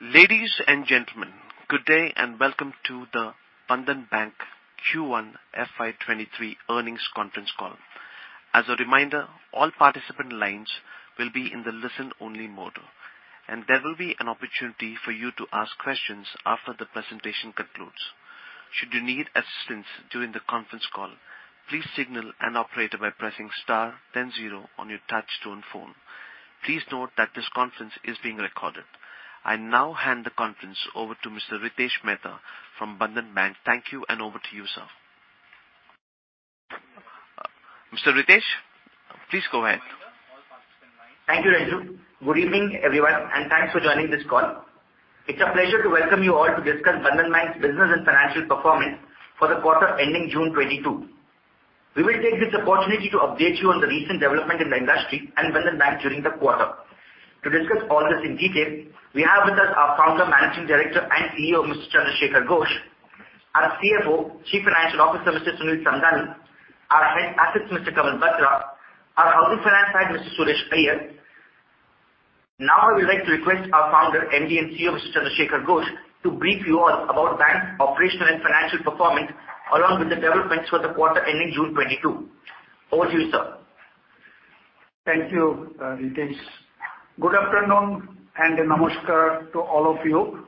Ladies and gentlemen, good day and welcome to the Bandhan Bank Q1 FY2023 Earnings Conference Call. As a reminder, all participant lines will be in the listen only mode, and there will be an opportunity for you to ask questions after the presentation concludes. Should you need assistance during the conference call, please signal an operator by pressing star then zero on your touchtone phone. Please note that this conference is being recorded. I now hand the conference over to Mr. Ritesh Mehta from Bandhan Bank. Thank you and over to you, sir. Mr. Ritesh, please go ahead. Thank you, Raju. Good evening, everyone, and thanks for joining this call. It's a pleasure to welcome you all to discuss Bandhan Bank's business and financial performance for the quarter ending June 2022. We will take this opportunity to update you on the recent development in the industry and Bandhan Bank during the quarter. To discuss all this in detail, we have with us our founder, Managing Director and CEO, Mr. Chandra Shekhar Ghosh, our CFO, Chief Financial Officer, Mr. Sunil Samdani, our Head Assets, Mr. Kamal Batra, our Housing Finance Head, Mr. Suresh Iyer. Now, I would like to request our founder, MD and CEO, Mr. Chandra Shekhar Ghosh, to brief you all about bank operational and financial performance, along with the developments for the quarter ending June 2022. Over to you, sir. Thank you, Ritesh. Good afternoon and namaskar to all of you.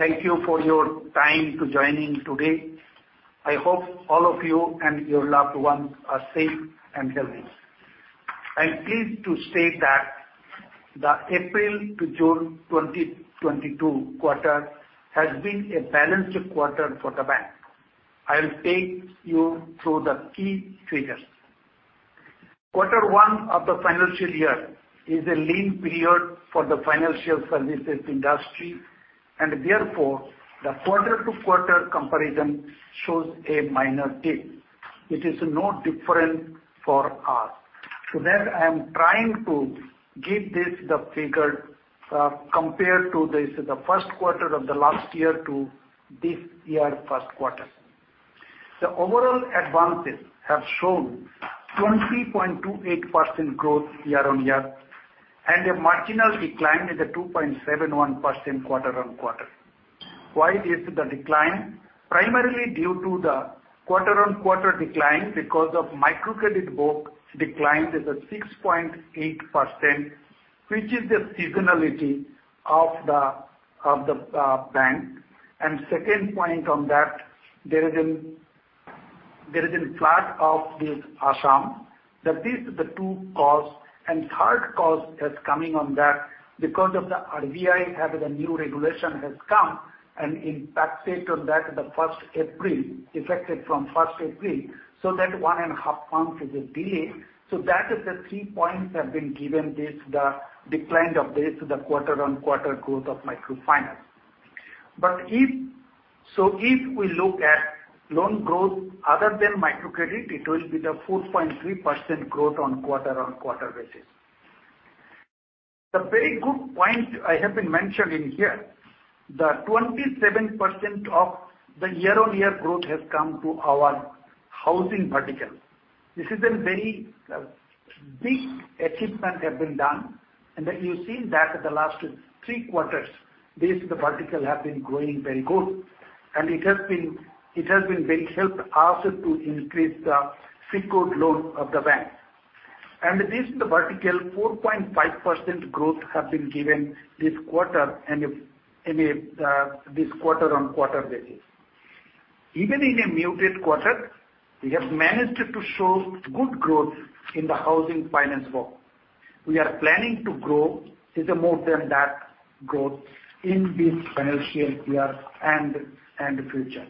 Thank you for your time to joining today. I hope all of you and your loved ones are safe and healthy. I'm pleased to state that the April to June 2022 quarter has been a balanced quarter for the bank. I'll take you through the key figures. Quarter one of the financial year is a lean period for the financial services industry, and therefore, the quarter-on-quarter comparison shows a minor dip. It is no different for us. I'm trying to give this the figure, compared to this, the first quarter of the last year to this year first quarter. The overall advances have shown 20.28% growth year-on-year, and a marginal decline in the 2.71% quarter-on-quarter. Why is the decline? Primarily due to the quarter-on-quarter decline because of microcredit book declined at the 6.8%, which is the seasonality of the bank. Second point on that, there is a flood in Assam. That is the two cause. Third cause is coming on that because of the RBI have the new regulation has come, and impact date on that the first April, effective from first April, so that one and a half months is a delay. That is the three points have been given this, the decline of this, the quarter-on-quarter growth of microfinance. If we look at loan growth other than microcredit, it will be the 4.3% growth on quarter-on-quarter basis. The very good point I have been mentioned in here, the 27% year-on-year growth has come to our housing vertical. This is a very big achievement have been done. You've seen that the last three quarters, this vertical have been growing very good. It has been very helped us to increase the CICO loan of the bank. This vertical, 4.5% growth have been given this quarter and if this quarter-on-quarter basis. Even in a muted quarter, we have managed to show good growth in the housing finance book. We are planning to grow it more than that growth in this financial year and future.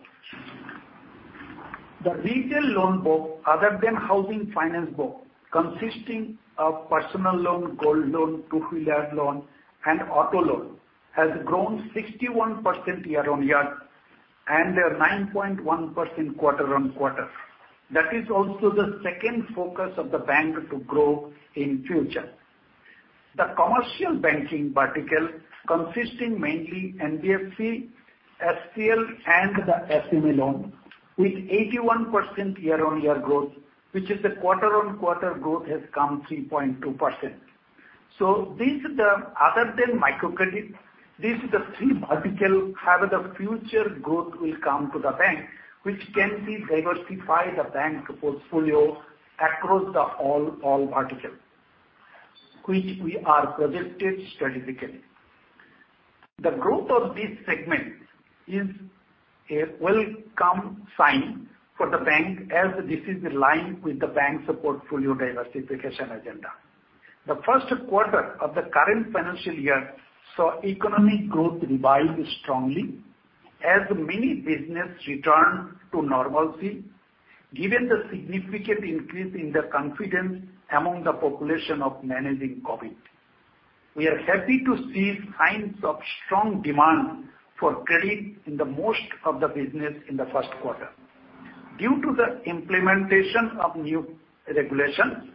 The retail loan book other than housing finance book, consisting of personal loan, gold loan, two-wheeler loan, and auto loan, has grown 61% year-on-year and 9.1% quarter-on-quarter. That is also the second focus of the bank to grow in future. The commercial banking vertical, consisting mainly NBFC, FCL, and the SME loan, with 81% year-on-year growth, which is the quarter-on-quarter growth has come 3.2%. This the other than microcredit, the three vertical have the future growth will come to the bank, which can be diversify the bank portfolio across the all vertical, which we are projected significantly. The growth of this segment is a welcome sign for the bank as this is aligned with the bank's portfolio diversification agenda. The first quarter of the current financial year saw economic growth revise strongly as many business return to normalcy, given the significant increase in the confidence among the population of managing COVID. We are happy to see signs of strong demand for credit in the most of the business in the first quarter. Due to the implementation of new regulation,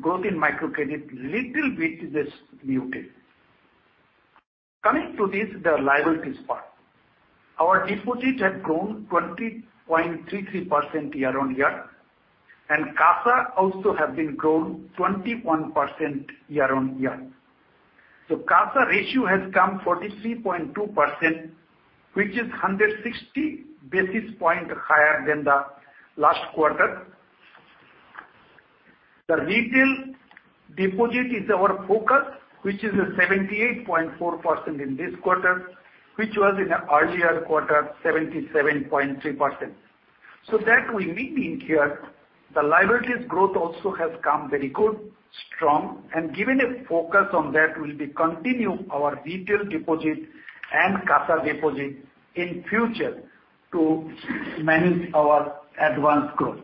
growth in microcredit little bit is muted. Coming to this, the liabilities part. Our deposits have grown 20.33% year-on-year, and CASA also have been grown 21% year-on-year. So CASA ratio has come 43.2%, which is 160 basis points higher than the last quarter. The retail deposit is our focus, which is 78.4% in this quarter, which was in the earlier quarter 77.3%. As we are meeting here, the liabilities growth also has come very good, strong, and, given a focus on that, we will continue our retail deposit and CASA deposit in future to manage our advance growth.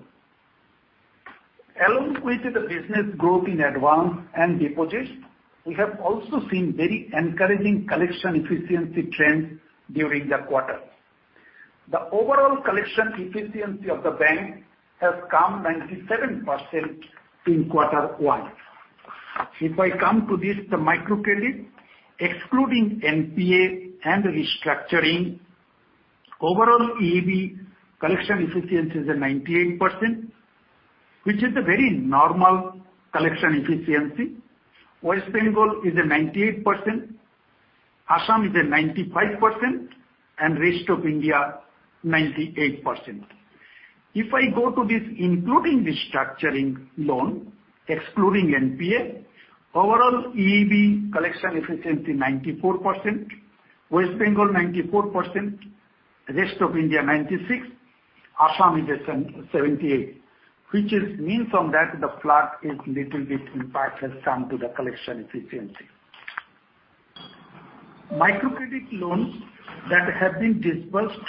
Along with the business growth in advance and deposits, we have also seen very encouraging collection efficiency trend during the quarter. The overall collection efficiency of the bank has come 97% in quarter one. If I come to this, the micro-credit, excluding NPA and restructuring, overall EEB collection efficiency is 98%, which is a very normal collection efficiency. West Bengal is 98%, Assam is 95%, and rest of India, 98%. If I go to this, including restructuring loan, excluding NPA, overall EEB collection efficiency, 94%. West Bengal, 94%. Rest of India, 96%. Assam is 77.8%, which means that the flood has had a little bit of impact on the collection efficiency. Microcredit loans that have been disbursed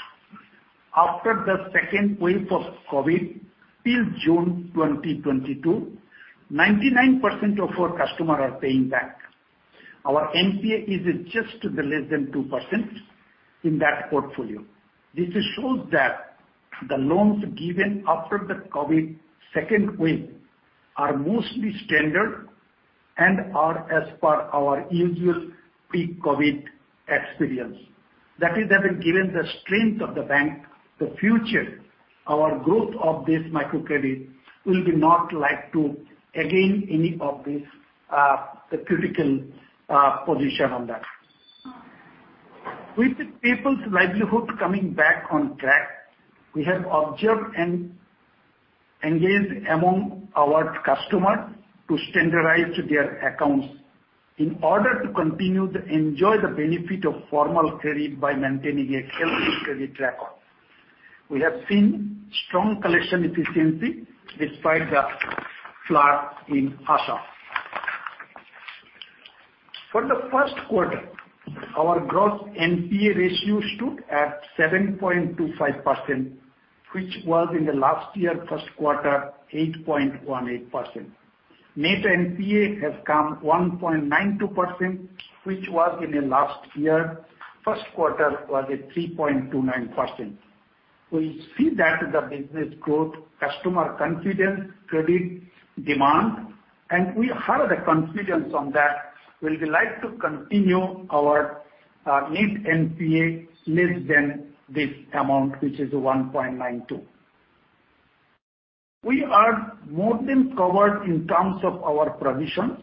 after the second wave of COVID till June 2022, 99% of our customers are paying back. Our NPA is just less than 2% in that portfolio. This shows that the loans given after the COVID second wave are mostly standard and are as per our usual pre-COVID experience. That has given the strength of the bank, the future, our growth of this microcredit will not be likely to again any of this, the critical position on that. With the people's livelihood coming back on track, we have observed and engaged among our customers to standardize their accounts in order to continue to enjoy the benefit of formal credit by maintaining a healthy credit record. We have seen strong collection efficiency despite the flood in Assam. For the first quarter, our gross NPA ratio stood at 7.25%, which was in the last year first quarter, 8.18%. Net NPA has come 1.92%, which was in the last year first quarter at 3.29%. We see that the business growth, customer confidence, credit demand, and we have the confidence on that will be likely to continue our net NPA less than this amount, which is 1.92. We are more than covered in terms of our provisions.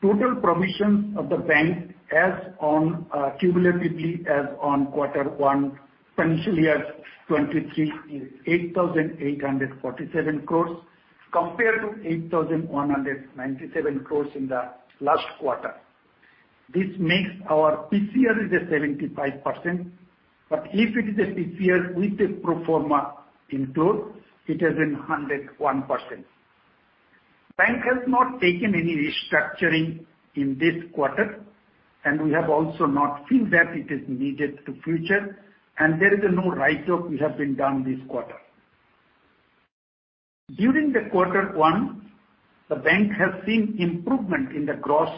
Total provisions of the bank as on, cumulatively as on quarter one financial year 2023 is 8,847 crores, compared to 8,197 crores in the last quarter. This makes our PCR at 75%. If it is a PCR with a pro forma include, it is a 101%. Bank has not taken any restructuring in this quarter, and we have also not feel that it is needed to future, and there is no write-off which have been done this quarter. During the quarter one, the bank has seen improvement in the gross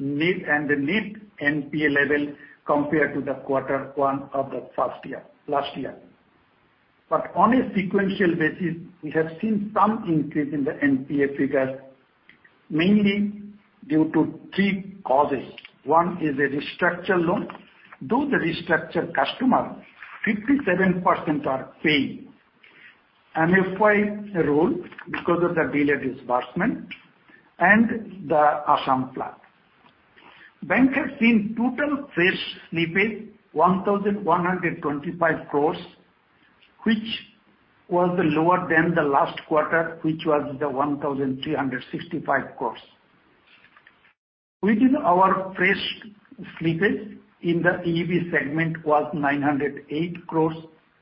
NPA and the net NPA level compared to the quarter one of last year. On a sequential basis, we have seen some increase in the NPA figures, mainly due to three causes. One is a restructure loan. Though the restructure customer, 57% are paying. MFI role because of the delayed disbursement and the Assam flood. Bank has seen total fresh slippage 1,125 crores, which was lower than the last quarter, which was 1,365 crores. Within our fresh slippage in the EIB segment was 908 crores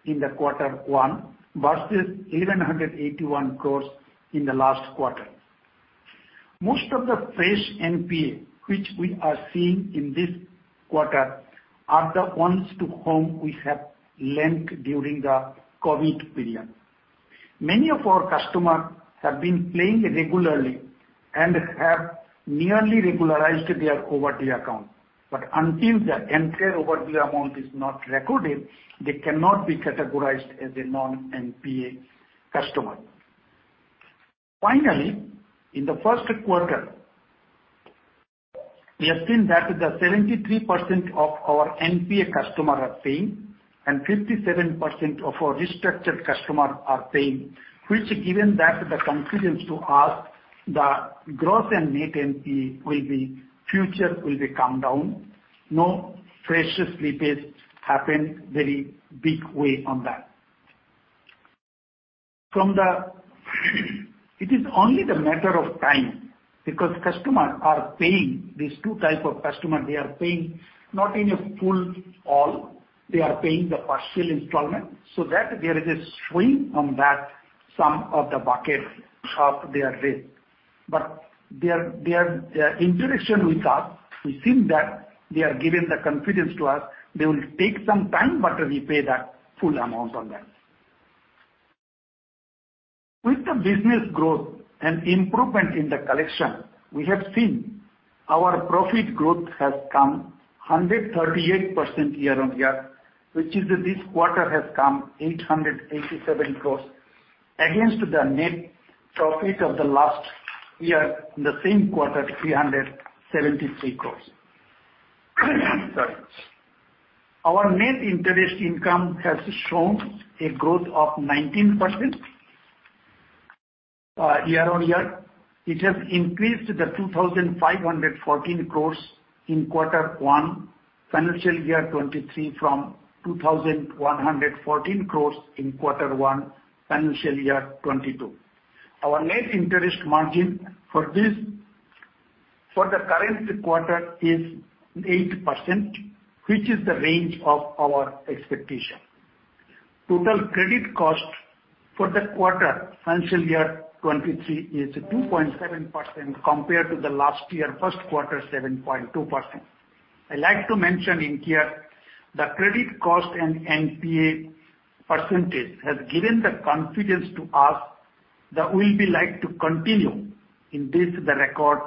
in quarter one versus 1,181 crores in the last quarter. Most of the fresh NPA which we are seeing in this quarter are the ones to whom we have lent during the COVID period. Many of our customers have been paying regularly and have nearly regularized their overdue account. Until the entire overdue amount is not recorded, they cannot be categorized as a non-NPA customer. Finally, in the first quarter, we have seen that the 73% of our NPA customers are paying and 57% of our restructured customers are paying, which gives us the confidence that the growth in net NPA will be. The future will calm down. No fresh slippage happened in a very big way on that. From there it is only the matter of time because customers are paying. These two types of customers, they are paying not in full at all. They are paying the partial installment, so there is a swing in that, some of the buckets of their risk. But their interaction with us, we think that they are giving the confidence to us. They will take some time, but we pay that full amount on that. With the business growth and improvement in the collection, we have seen our profit growth has come 138% year-on-year, which is this quarter has come 887 crores against the net profit of the last year in the same quarter, 373 crores. Our net interest income has shown a growth of 19% year-on-year. It has increased to 2,514 crores in quarter one, financial year 2023 from 2,114 crores in quarter one, financial year 2022. Our net interest margin for this, for the current quarter is 8%, which is the range of our expectation. Total credit cost for the quarter, financial year 2023 is 2.7% compared to the last year first quarter, 7.2%. I like to mention in here the credit cost and NPA percentage has given the confidence to us that we'll be like to continue in this, the record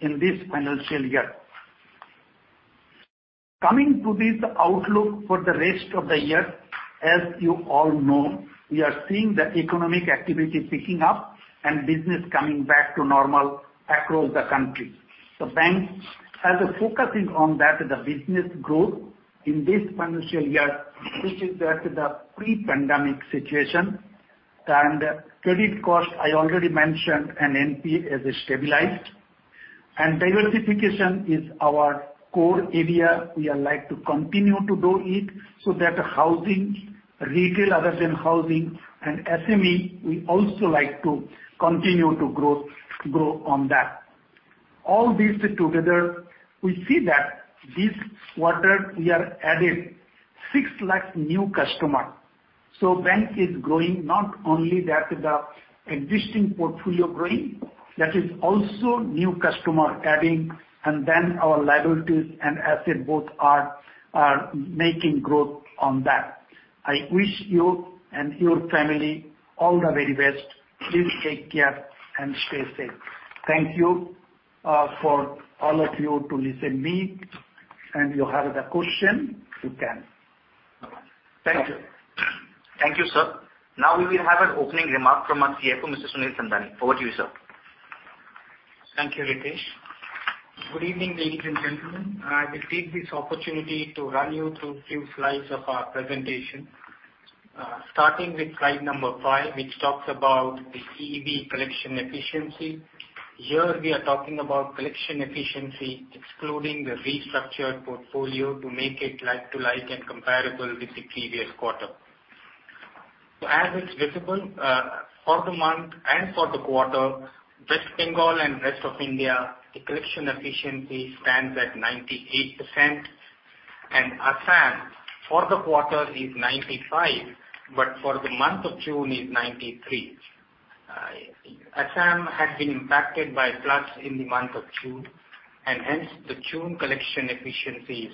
in this financial year. Coming to this outlook for the rest of the year, as you all know, we are seeing the economic activity picking up and business coming back to normal across the country. The bank has a focus on that, the business growth in this financial year, which is that the pre-pandemic situation. Credit cost, I already mentioned, and NPA has stabilized. Diversification is our core area. We are like to continue to do it so that housing, retail other than housing and SME, we also like to continue to grow on that. All this together, we see that this quarter we are added 6 lakh new customer. Bank is growing. Not only that the existing portfolio growing, that is also new customer adding and then our liabilities and asset both are making growth on that. I wish you and your family all the very best. Please take care and stay safe. Thank you, for all of you to listen me and you have the question, you can. Thank you. Thank you, sir. Now we will have an opening remark from our CFO, Mr. Sunil Samdani. Over to you, sir. Thank you, Ritesh. Good evening, ladies and gentlemen. I will take this opportunity to run you through few slides of our presentation. Starting with slide number five, which talks about the CEV collection efficiency. Here we are talking about collection efficiency excluding the restructured portfolio to make it like to like and comparable with the previous quarter. As it's visible, for the month and for the quarter, West Bengal and rest of India, the collection efficiency stands at 98% and Assam for the quarter is 95, but for the month of June is 93. Assam has been impacted by floods in the month of June, and hence, the June collection efficiency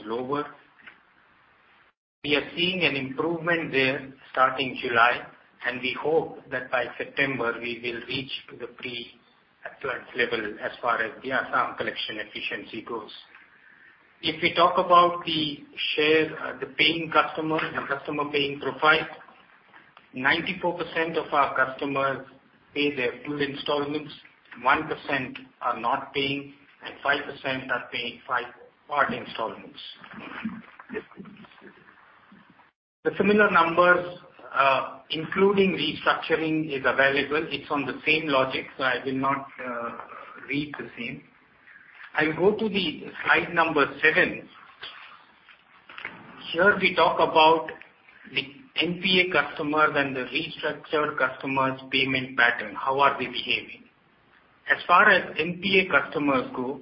is lower. We are seeing an improvement there starting July, and we hope that by September we will reach to the pre-flood level as far as the Assam collection efficiency goes. If we talk about the share, the paying customer and customer paying profile, 94% of our customers pay their full installments, 1% are not paying, and 5% are paying partial installments. The similar numbers, including restructuring is available. It's on the same logic, so I will not read the same. I'll go to the slide number seven. Here we talk about the NPA customers and the restructured customers' payment pattern. How are they behaving? As far as NPA customers go,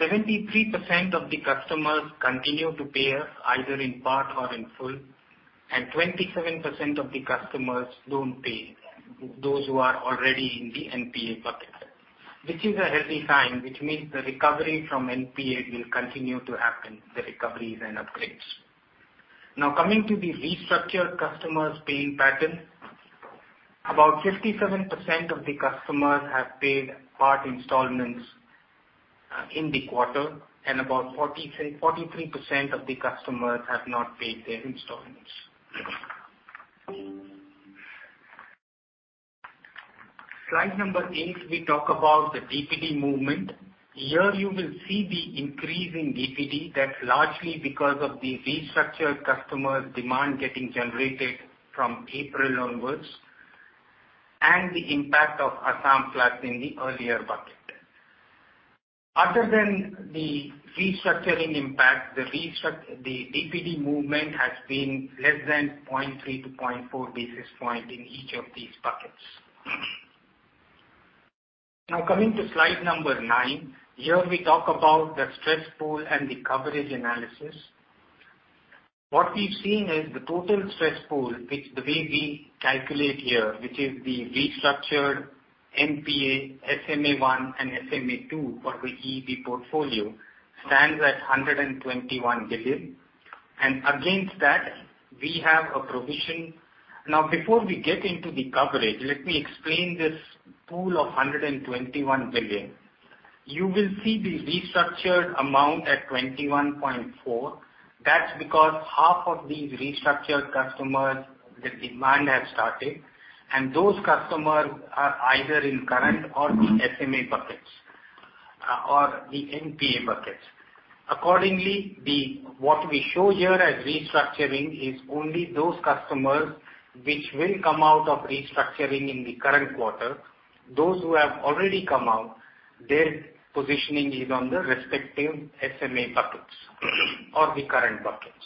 73% of the customers continue to pay us either in part or in full, and 27% of the customers don't pay, those who are already in the NPA bucket. Which is a healthy sign, which means the recovery from NPA will continue to happen, the recoveries and upgrades. Now, coming to the restructured customers' paying pattern. About 57% of the customers have paid partial installments. In the quarter and about 43% of the customers have not paid their installments. Slide number eight, we talk about the DPD movement. Here you will see the increase in DPD. That's largely because of the restructured customer demand getting generated from April onwards and the impact of Assam floods in the earlier bucket. Other than the restructuring impact, the DPD movement has been less than 0.3-0.4 basis points in each of these buckets. Now coming to slide number nine. Here we talk about the stress pool and the coverage analysis. What we've seen is the total stress pool, which the way we calculate here, which is the restructured NPA, SMA 1 and SMA 2 for the EEB portfolio, stands at 121 billion. Against that we have a provision. Before we get into the coverage, let me explain this pool of 121 billion. You will see the restructured amount at 21.4 billion. That's because half of these restructured customers, their demand has started, and those customers are either in current or the SMA buckets, or the NPA buckets. Accordingly, what we show here as restructuring is only those customers which will come out of restructuring in the current quarter. Those who have already come out, their positioning is on the respective SMA buckets or the current buckets.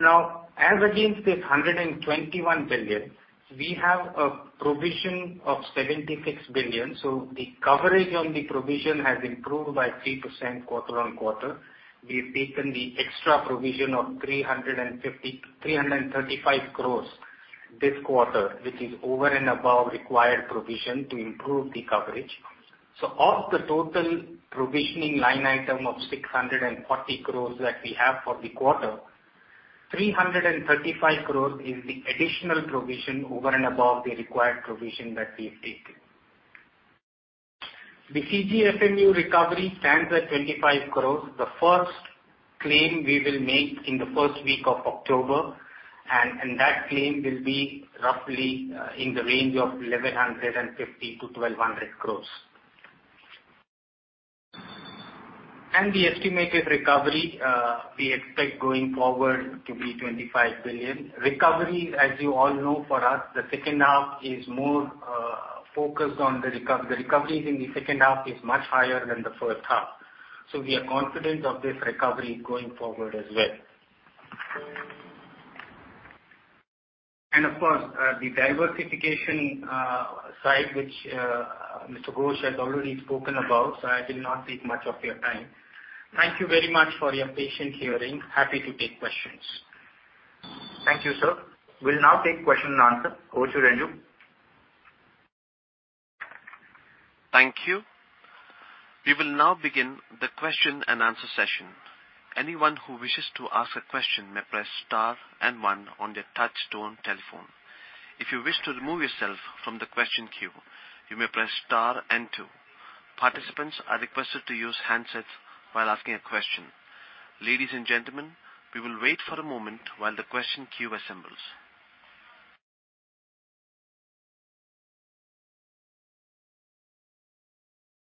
Now, as against this 121 billion, we have a provision of 76 billion. So the coverage on the provision has improved by 3% quarter-on-quarter. We have taken the extra provision of 335 crores this quarter, which is over and above required provision to improve the coverage. Of the total provisioning line item of 640 crores that we have for the quarter, 335 crores is the additional provision over and above the required provision that we have taken. The CGFMU recovery stands at 25 crores. The first claim we will make in the first week of October, and that claim will be roughly in the range of 1,150-1,200 crores. The estimated recovery we expect going forward to be 25 billion. Recovery, as you all know, for us, the second half is more focused on the recover. The recoveries in the second half is much higher than the first half, so we are confident of this recovery going forward as well. Of course, the diversification side, which Mr. Ghosh has already spoken about, so I will not take much of your time. Thank you very much for your patient hearing. Happy to take questions. Thank you, sir. We'll now take question and answer. Over to Renju. Thank you. We will now begin the question-and-answer session. Anyone who wishes to ask a question may press star and one on their touchtone telephone. If you wish to remove yourself from the question queue, you may press star and two. Participants are requested to use handsets while asking a question. Ladies and gentlemen, we will wait for a moment while the question queue assembles.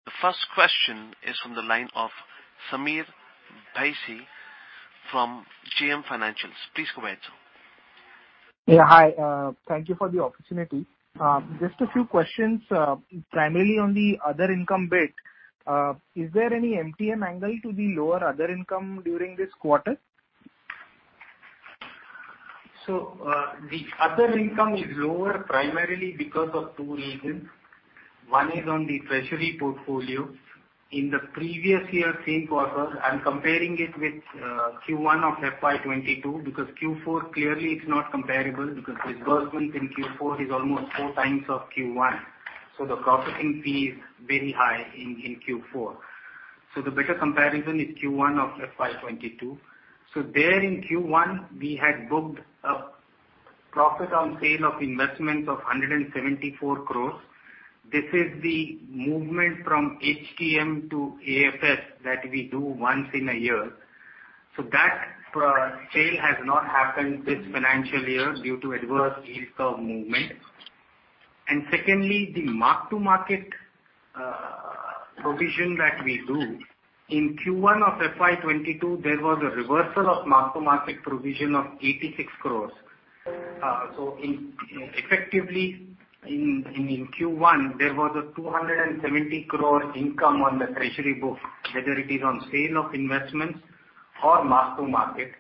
The first question is from the line of Sameer Bhise from JM Financial. Please go ahead, sir. Yeah, hi. Thank you for the opportunity. Just a few questions, primarily on the other income bit. Is there any MTM angle to the lower other income during this quarter? The other income is lower primarily because of two reasons. One is on the treasury portfolio. In the previous year, same quarter, I'm comparing it with Q1 of FY 2022, because Q4 clearly is not comparable because disbursements in Q4 is almost four times of Q1, so the processing fee is very high in Q4. The better comparison is Q1 of FY 2022. There in Q1, we had booked a profit on sale of investment of 174 crores. This is the movement from HTM to AFS that we do once in a year. That sale has not happened this financial year due to adverse yield curve movement. Secondly, the mark-to-market provision that we do. In Q1 of FY 2022, there was a reversal of mark-to-market provision of 86 crores. Effectively in Q1, there was 270 crore income on the treasury book, whether it is on sale of investments or mark-to-market.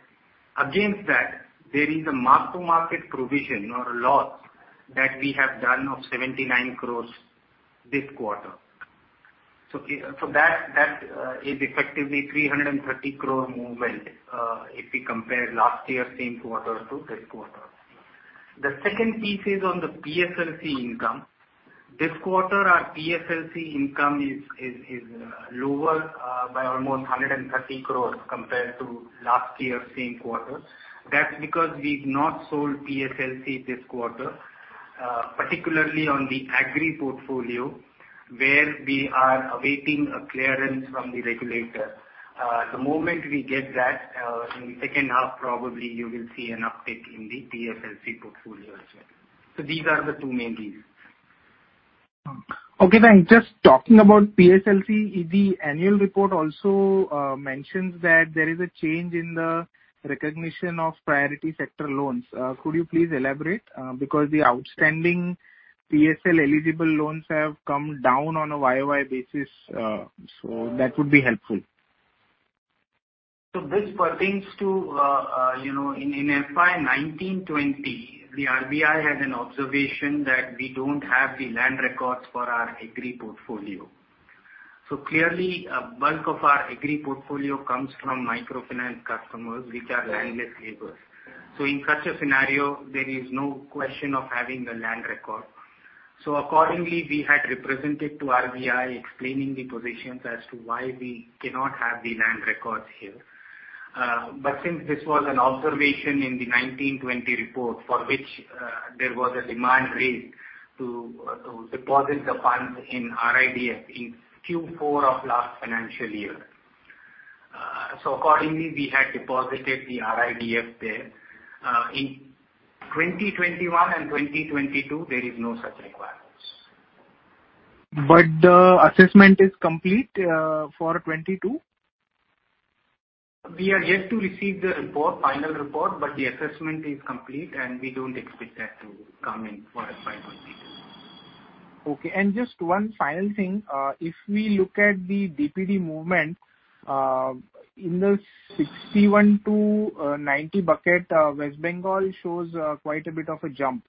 Against that, there is a mark-to-market provision or loss that we have done of 79 crore this quarter. That is effectively 330 crore movement, if we compare last year's same quarter to this quarter. The second piece is on the PSLC income. This quarter, our PSLC income is lower by almost 130 crore compared to last year's same quarter. That's because we've not sold PSLC this quarter, particularly on the agri portfolio, where we are awaiting a clearance from the regulator. The moment we get that, in the second half, probably you will see an uptick in the PSLC portfolio as well. These are the two main reasons. Okay, thank you. Just talking about PSLC, the annual report also mentions that there is a change in the recognition of priority sector loans. Could you please elaborate, because the outstanding PSL-eligible loans have come down on a year-over-year basis, so that would be helpful. This pertains to in FY 2019/2020, the RBI had an observation that we don't have the land records for our agri portfolio. Clearly, a bulk of our agri portfolio comes from microfinance customers which are landless laborers. In such a scenario, there is no question of having the land record. Accordingly, we had represented to RBI explaining the positions as to why we cannot have the land records here. But since this was an observation in the 2019/2020 report for which there was a demand raised to deposit the funds in RIDF in Q4 of last financial year. Accordingly, we had deposited the RIDF there. In 2021 and 2022, there is no such requirements. The assessment is complete for 2022? We are yet to receive the report, final report, but the assessment is complete, and we don't expect that to come in for FY 2022. Okay. Just one final thing. If we look at the DPD movement in the 61-90 bucket, West Bengal shows quite a bit of a jump.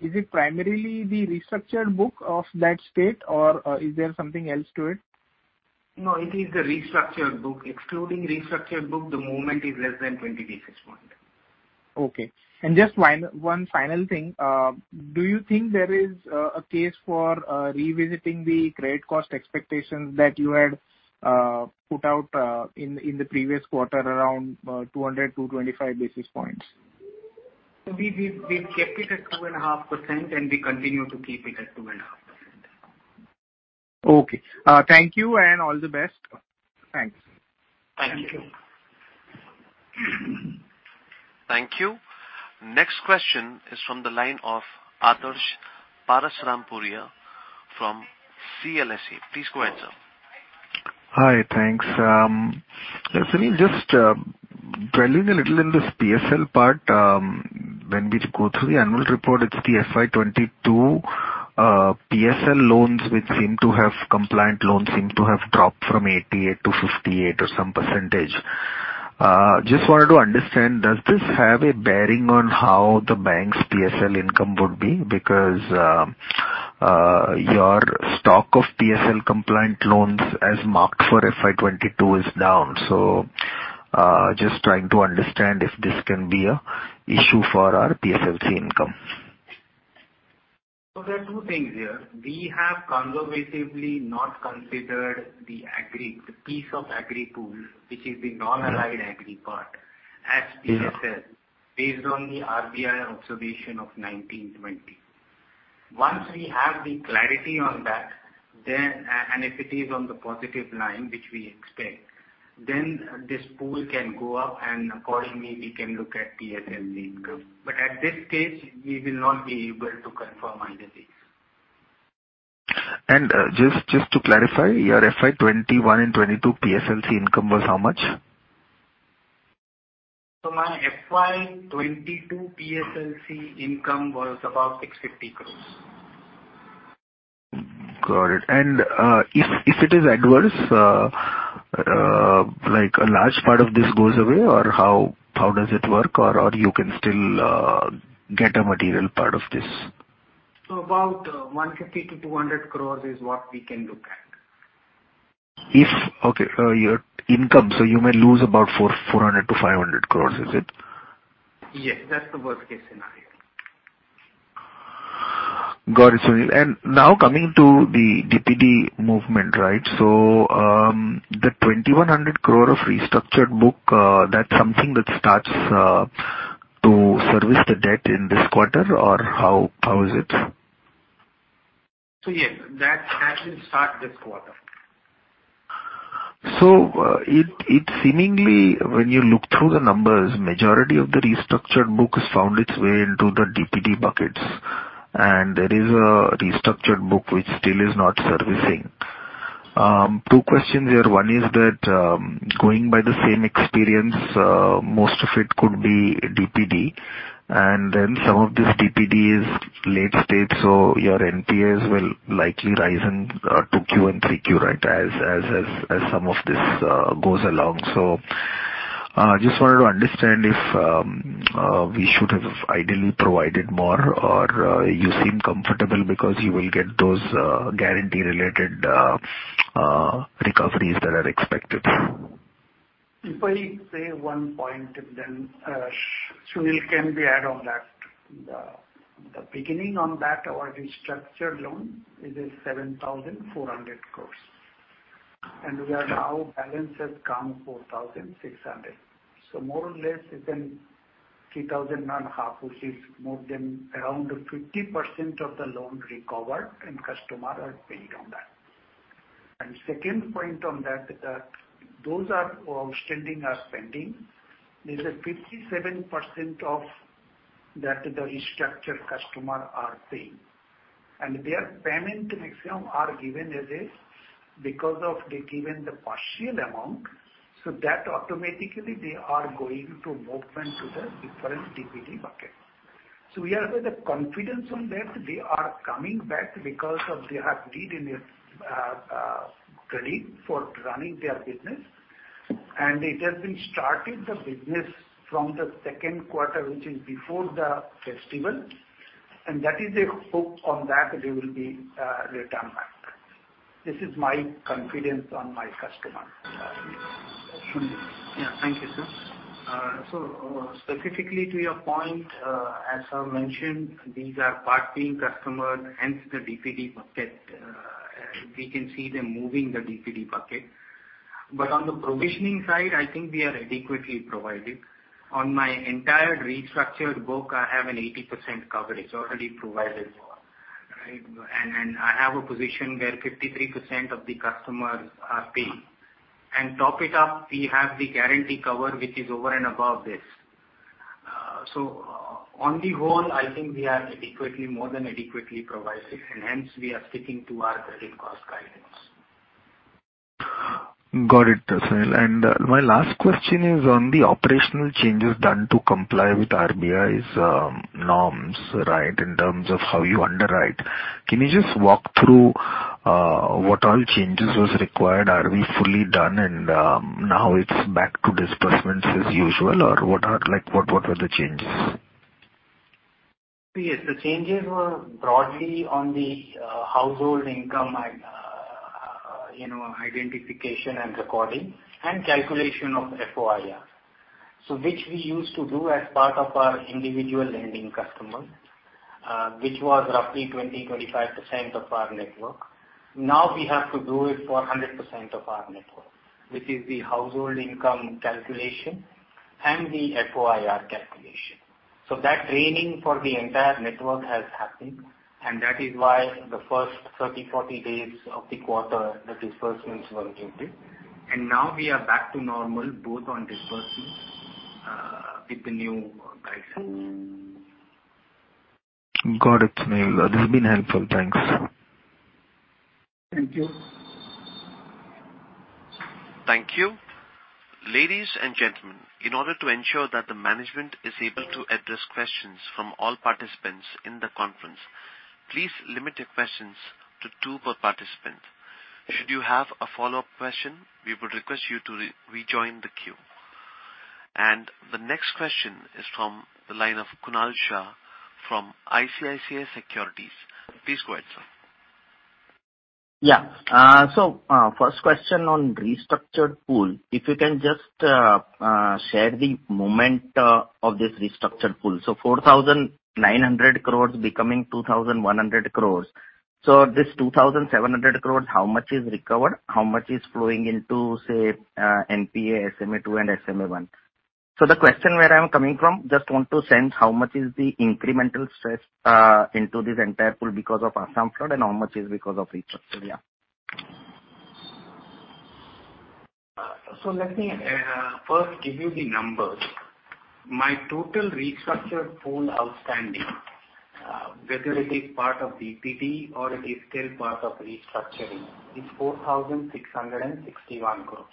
Is it primarily the restructured book of that state or is there something else to it? No, it is the restructured book. Excluding restructured book, the movement is less than 20 basis points. Okay. Just one final thing. Do you think there is a case for revisiting the credit cost expectations that you had put out in the previous quarter around 200-225 basis points? We've kept it at 2.5%, and we continue to keep it at 2.5%. Okay. Thank you and all the best. Thanks. Thank you. Thank you. Thank you. Next question is from the line of Adarsh Parasrampuria from CLSA. Please go ahead, sir. Hi. Thanks. Listen, just dwelling a little in this PSL part, when we go through the annual report, it's the FY 2022 PSL loans which seem to have compliant loans dropped from 88%-58% or some percentage. Just wanted to understand, does this have a bearing on how the bank's PSL income would be? Because your stock of PSL compliant loans as marked for FY 2022 is down. Just trying to understand if this can be an issue for our PSLC income. There are two things here. We have conservatively not considered the agri, the piece of agri pool, which is the non-aligned agri part, as PSL based on the RBI observation of 2019-2020. Once we have the clarity on that, then if it is on the positive line, which we expect, then this pool can go up and accordingly we can look at PSLC income. At this stage, we will not be able to confirm either way. Just to clarify, your FY 2021 and 2022 PSLC income was how much? My FY 2022 PSLC income was about INR 650 crore. Got it. If it is adverse, like a large part of this goes away or how does it work? Or you can still get a material part of this? About 150-200 crores is what we can look at. Okay, your income, so you may lose about 400-500 crores, is it? Yes, that's the worst-case scenario. Got it, Sunil. Now coming to the DPD movement, right? The 2,100 crore of restructured book, that's something that starts to service the debt in this quarter or how is it? Yes, that actually start this quarter. It seemingly when you look through the numbers, majority of the restructured book has found its way into the DPD buckets, and there is a restructured book which still is not servicing. Two questions here. One is that, going by the same experience, most of it could be DPD, and then some of this DPD is late stage, so your NPAs will likely rise in Q2 and Q3, right? As some of this goes along. Just wanted to understand if we should have ideally provided more or you seem comfortable because you will get those guarantee related recoveries that are expected. If I say one point and then, Sunil can add on that. The beginning on that, our restructured loan is at 7,400 crores. The balance now has come to INR 4,600. More or less it's been INR 3,500, which is more than around 50% of the loan recovered and customer are paid on that. Second point on that those are outstanding are spending, there's 57% of that the restructured customer are paying. Their payment maximum are given as is because of the given partial amount, so that automatically they are going to movement to the different DPD bucket. We are with the confidence on that they are coming back because they have need in their credit for running their business. It has been starting the business from the second quarter, which is before the festival. That is a hope on that they will be return back. This is my confidence on my customer. Yeah. Thank you, sir. Specifically to your point, as I mentioned, these are part paying customers, hence the DPD bucket. We can see them moving the DPD bucket. On the provisioning side, I think we are adequately provided. On my entire restructured book, I have an 80% coverage already provided for, right? I have a position where 53% of the customers are paying. Top it up, we have the guarantee cover, which is over and above this. On the whole, I think we are adequately, more than adequately provided, and hence we are sticking to our credit cost guidance. Got it, Sunil. My last question is on the operational changes done to comply with RBI's norms, right? In terms of how you underwrite. Can you just walk through what all changes was required? Are we fully done and now it's back to disbursements as usual? Or what are like what were the changes? Yes. The changes were broadly on the household income and you know, identification and recording and calculation of FOIR. Which we used to do as part of our individual lending customer, which was roughly 20-25% of our network. Now we have to do it for 100% of our network, which is the household income calculation and the FOIR calculation. That training for the entire network has happened and that is why the first 30-40 days of the quarter, the disbursements were impacted. Now we are back to normal, both on disbursements with the new guidelines. Got it, Sunil. This has been helpful. Thanks. Thank you. Thank you. Ladies and gentlemen, in order to ensure that the management is able to address questions from all participants in the conference, please limit your questions to two per participant. Should you have a follow-up question, we would request you to re-rejoin the queue. The next question is from the line of Kunal Shah from ICICI Securities. Please go ahead, sir. Yeah. First question on restructured pool. If you can just share the movement of this restructured pool. 4,900 crores becoming 2,100 crores. This 2,700 crores, how much is recovered? How much is flowing into, say, NPA, SMA 2 and SMA 1? The question where I'm coming from, just want to sense how much is the incremental stress into this entire pool because of Assam flood and how much is because of restructure. Yeah. Let me first give you the numbers. My total restructured pool outstanding, whether it is part of DPD or it is still part of restructuring, is 4,661 crore.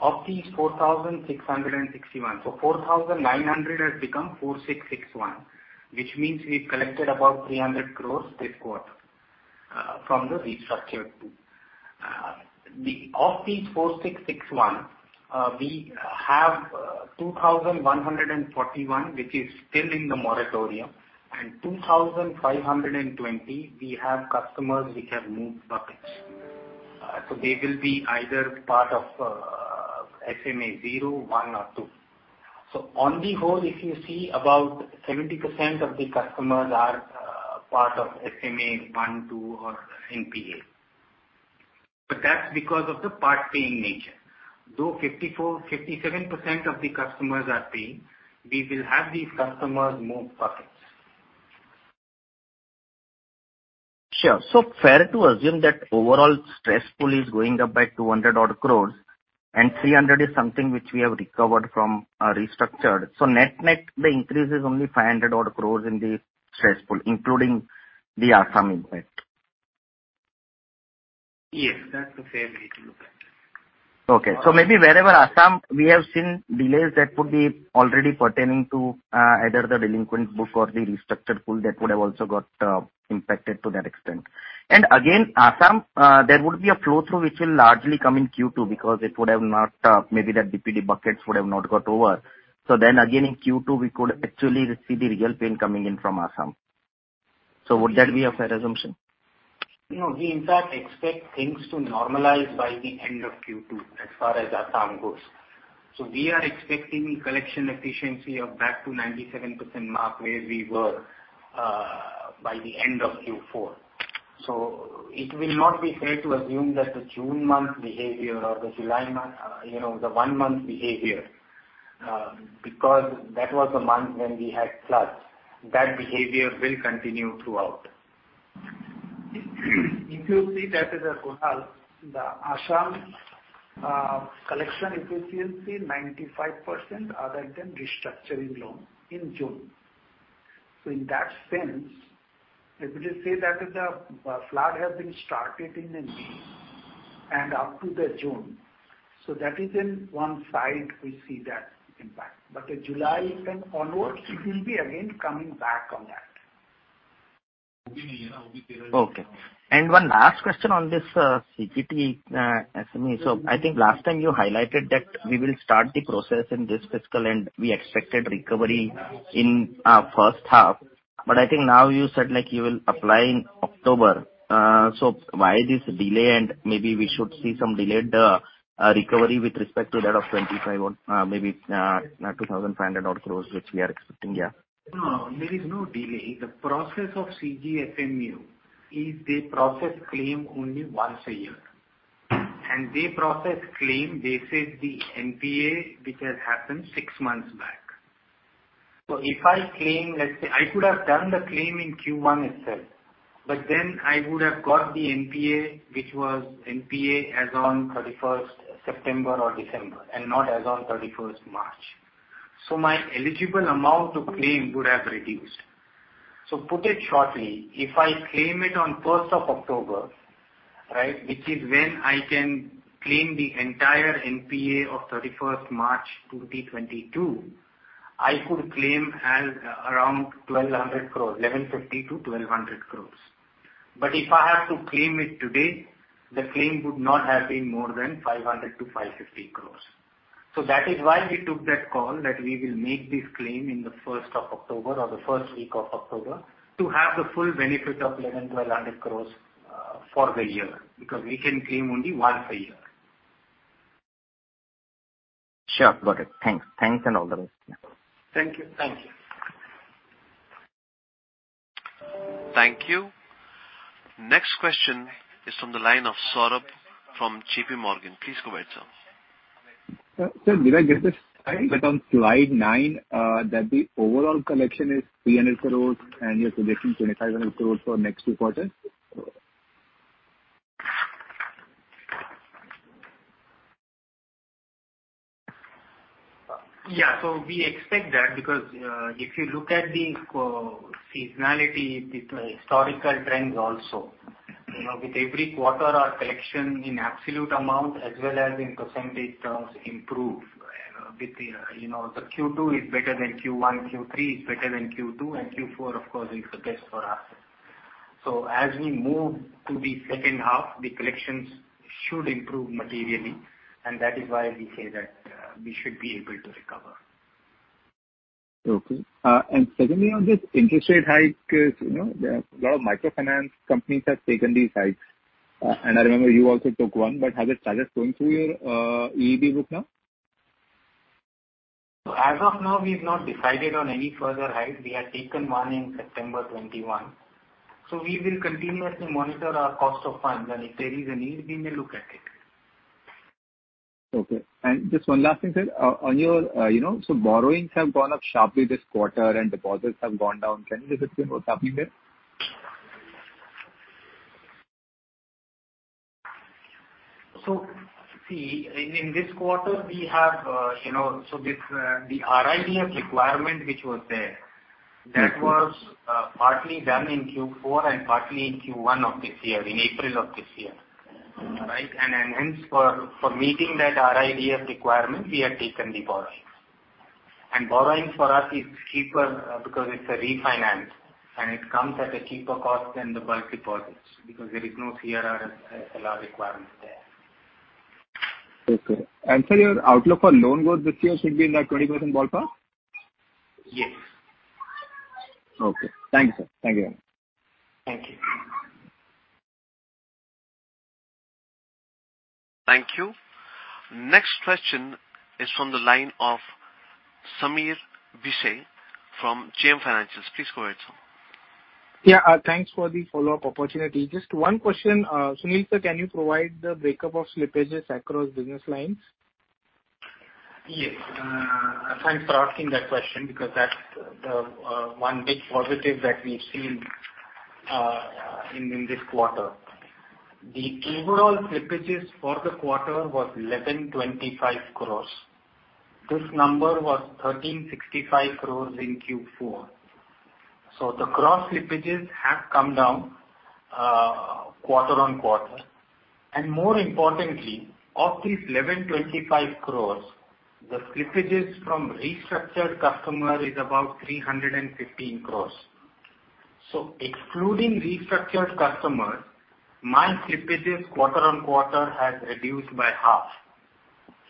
Of these 4,661, so 4,900 has become 4,661, which means we've collected about 300 crore this quarter, from the restructured pool. Of these 4,661, we have 2,141 crore which is still in the moratorium, and 2,520 crore we have customers which have moved buckets. They will be either part of SMA 0, 1 or 2. On the whole, if you see about 70% of the customers are part of SMA 1, 2 or NPA. That's because of the part paying nature. Though 54%-57% of the customers are paying, we will have these customers move buckets. Sure. Fair to assume that overall stress pool is going up by 200 odd crores and 300 is something which we have recovered from, restructured. Net-net, the increase is only 500 odd crores in the stress pool, including the Assam impact. Yes. That's a fair way to look at it. Okay. Maybe in Assam we have seen delays that could be already pertaining to either the delinquent book or the restructured pool that would have also got impacted to that extent. Again, Assam, there would be a flow-through which will largely come in Q2 because it would have not maybe the DPD buckets would have not got over. Then again, in Q2, we could actually see the real pain coming in from Assam. Would that be a fair assumption? No. We in fact expect things to normalize by the end of Q2 as far as Assam goes. We are expecting collection efficiency of back to 97% mark where we were, by the end of Q4. It will not be fair to assume that the June month behavior or the July month, you know, the one-month behavior, because that was the month when we had floods, that behavior will continue throughout. If you see that is a result, the Assam collection efficiency 95% other than restructuring loan in June. In that sense, if we just say that is the flood have been started in the May and up to the June, that is in one side we see that impact. In July and onwards, it will be again coming back on that. Okay. One last question on this, CGFMU, SME. I think last time you highlighted that we will start the process in this fiscal and we expected recovery in first half, but I think now you said, like, you will apply in October. Why this delay? And maybe we should see some delayed recovery with respect to that of 25 crore or maybe 2,500 crore odd, which we are expecting. Yeah. No, there is no delay. The process of CGFMU is they process claim only once a year. They process claim based on the NPA which has happened six months back. If I claim, let's say I could have done the claim in Q1 itself, but then I would have got the NPA, which was NPA as on 31st September or December, and not as on 31st March. My eligible amount to claim would have reduced. Put it shortly, if I claim it on 1st of October, right, which is when I can claim the entire NPA of 31st March 2022, I could claim as around 1,200 crores, 1,150 crores-1,200 crores. But if I have to claim it today, the claim would not have been more than 500 crores-550 crores. That is why we took that call that we will make this claim in the first of October or the first week of October to have the full benefit of 1,100 crore for the year, because we can claim only once a year. Sure. Got it. Thanks. Thanks and all the best. Yeah. Thank you. Thank you. Thank you. Next question is from the line of Saurabh from JP Morgan. Please go ahead, sir. Sir, did I get this right that on slide nine, the overall collection is 300 crores and you're projecting 2,500 crores for next two quarters? Yeah. We expect that because if you look at the seasonality, the historical trends also, you know, with every quarter our collection in absolute amount as well as in percentage terms improve. You know, between, you know, the Q2 is better than Q1, Q3 is better than Q2, and Q4, of course, is the best for us. As we move to the second half, the collections should improve materially, and that is why we say that we should be able to recover. Okay. Secondly, on this interest rate hike, as you know, there are a lot of microfinance companies have taken these hikes. I remember you also took one, but has it started going through your EEB book now? As of now, we've not decided on any further hike. We had taken one in September 2021. We will continuously monitor our cost of funds, and if there is a need, we may look at it. Just one last thing, sir. On your, you know, borrowings have gone up sharply this quarter and deposits have gone down. Can you just explain what's happening there? See, in this quarter we have, you know, so this, the RIDF requirement which was there. Mm-hmm. That was partly done in Q4 and partly in Q1 of this year, in April of this year. Mm-hmm. Right? Hence for meeting that RIDF requirement, we have taken the borrowings. Borrowings for us is cheaper, because it's a refinance and it comes at a cheaper cost than the bulk deposits because there is no CRR, SLR requirements there. Okay. Sir, your outlook for loan growth this year should be in that 20% ballpark? Yes. Okay. Thank you, sir. Thank you. Thank you. Thank you. Next question is from the line of Sameer Bhise from JM Financial. Please go ahead, sir. Thanks for the follow-up opportunity. Just one question. Sunil sir, can you provide the breakdown of slippages across business lines? Yes. Thanks for asking that question because that's the one big positive that we've seen in this quarter. The overall slippages for the quarter was 1,125 crore. This number was 1,365 crore in Q4. The gross slippages have come down quarter-over-quarter. More importantly, of these 1,125 crore, the slippages from restructured customer is about 315 crore. Excluding restructured customers, my slippages quarter-over-quarter has reduced by half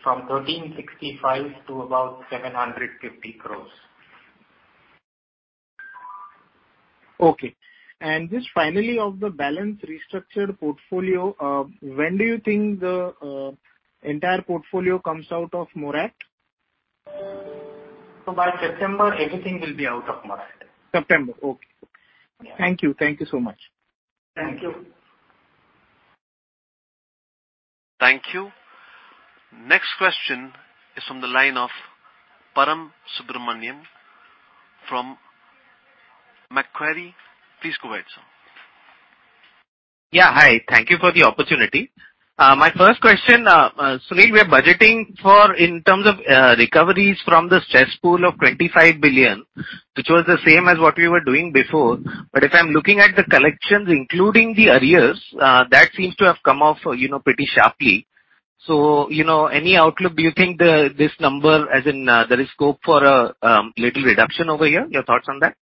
from 1,365 to about 750 crore. Okay. Just finally, of the balance restructured portfolio, when do you think the entire portfolio comes out of moratorium? By September everything will be out of moratorium. September. Okay. Yeah. Thank you. Thank you so much. Thank you. Thank you. Next question is from the line of Param Subramanian from Macquarie. Please go ahead, sir. Yeah. Hi. Thank you for the opportunity. My first question, Sunil, we are budgeting for in terms of recoveries from the stress pool of 25 billion, which was the same as what we were doing before, but if I'm looking at the collections, including the arrears, that seems to have come off, you know, pretty sharply. You know, any outlook, do you think this number as in there is scope for a little reduction over here? Your thoughts on that?